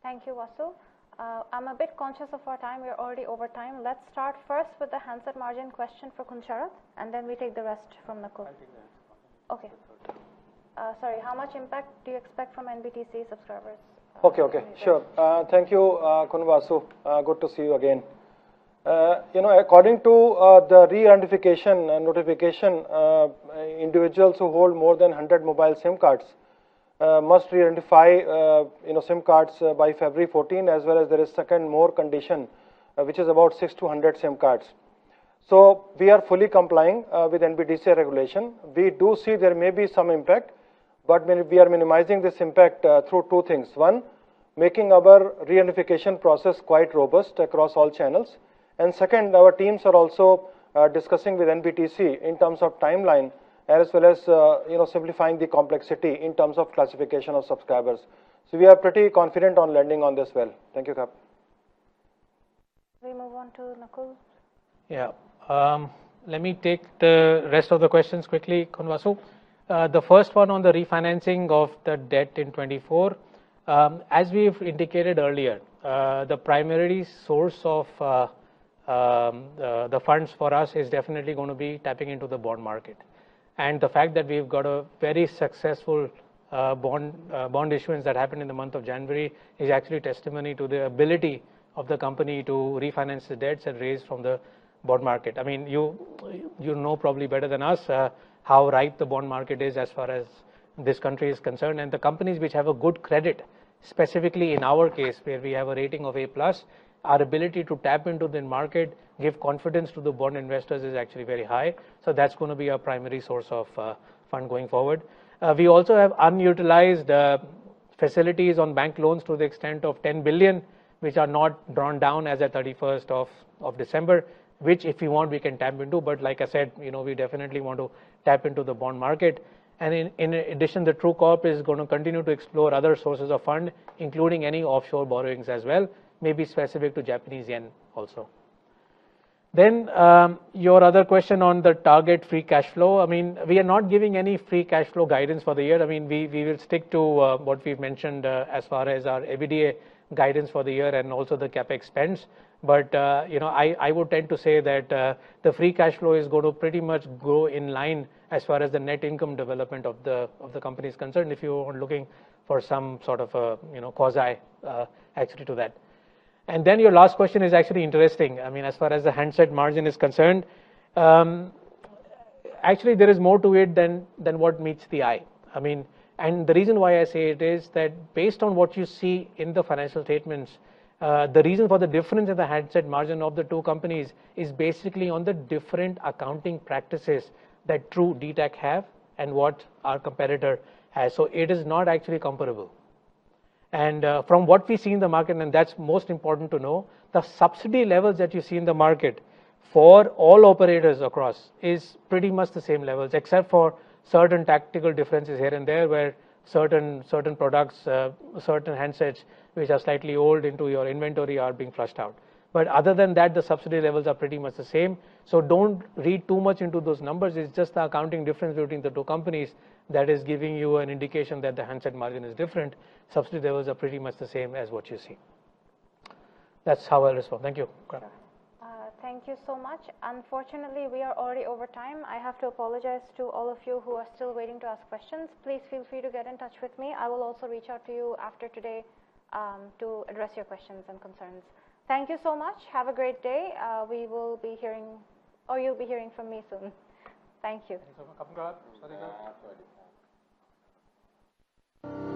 S1: Thank you, Wasu. I'm a bit conscious of our time. We're already over time. Let's start first with the handset margin question for Khun Sharad, and then we take the rest from Nakul.
S9: I'll take the handset margin.
S8: Okay. Sorry. How much impact do you expect from NBTC subscribers?
S6: Okay. Okay. Sure. Thank you, Khun Wasu. Good to see you again. You know, according to the re-identification notification, individuals who hold more than 100 mobile SIM cards must re-identify, you know, SIM cards by February 14, as well as there is a second more condition, which is about six to 100 SIM cards. So we are fully complying with NBTC regulation. We do see there may be some impact, but we are minimizing this impact through two things. One, making our re-identification process quite robust across all channels. And second, our teams are also discussing with NBTC in terms of timeline as well as, you know, simplifying the complexity in terms of classification of subscribers. So we are pretty confident on landing on this well. Thank you, Kapp.
S1: We move on to Nakul.
S3: Yeah. Let me take the rest of the questions quickly, Wasu. The first one on the refinancing of the debt in 2024. As we've indicated earlier, the primary source of the funds for us is definitely going to be tapping into the bond market. And the fact that we've got a very successful bond issuance that happened in the month of January is actually testimony to the ability of the company to refinance the debts it raised from the bond market. I mean, you know probably better than us, how tight the bond market is as far as this country is concerned. And the companies which have a good credit, specifically in our case where we have a rating of A-plus, our ability to tap into the market, give confidence to the bond investors is actually very high. So that's going to be our primary source of funding going forward. We also have unutilized facilities on bank loans to the extent of 10 billion, which are not drawn down as of 31st of December, which if you want, we can tap into. But like I said, you know, we definitely want to tap into the bond market. And in addition, the True Corp is going to continue to explore other sources of funding, including any offshore borrowings as well, maybe specific to Japanese yen also. Then, your other question on the target free cash flow. I mean, we are not giving any free cash flow guidance for the year. I mean, we will stick to what we've mentioned, as far as our EBITDA guidance for the year and also the CAPEX. But, you know, I would tend to say that the free cash flow is going to pretty much go in line as far as the net income development of the company is concerned if you are looking for some sort of a, you know, quasi, actually to that. Then your last question is actually interesting. I mean, as far as the handset margin is concerned, actually, there is more to it than what meets the eye. I mean, and the reason why I say it is that based on what you see in the financial statements, the reason for the difference in the handset margin of the two companies is basically on the different accounting practices that True dtac have and what our competitor has. So it is not actually comparable. From what we see in the market, and that's most important to know, the subsidy levels that you see in the market for all operators across is pretty much the same levels except for certain tactical differences here and there where certain products, certain handsets which are slightly old into your inventory are being flushed out. But other than that, the subsidy levels are pretty much the same. So don't read too much into those numbers. It's just the accounting difference between the two companies that is giving you an indication that the handset margin is different. Subsidy levels are pretty much the same as what you see. That's how I'll respond. Thank you, Kapp.
S1: Thank you so much. Unfortunately, we are already over time. I have to apologize to all of you who are still waiting to ask questions. Please feel free to get in touch with me. I will also reach out to you after today, to address your questions and concerns. Thank you so much. Have a great day. We will be hearing or you'll be hearing from me soon. Thank you.
S9: Thanks so much, Kapp. Kapp, sorry to interrupt.
S2: Thank you.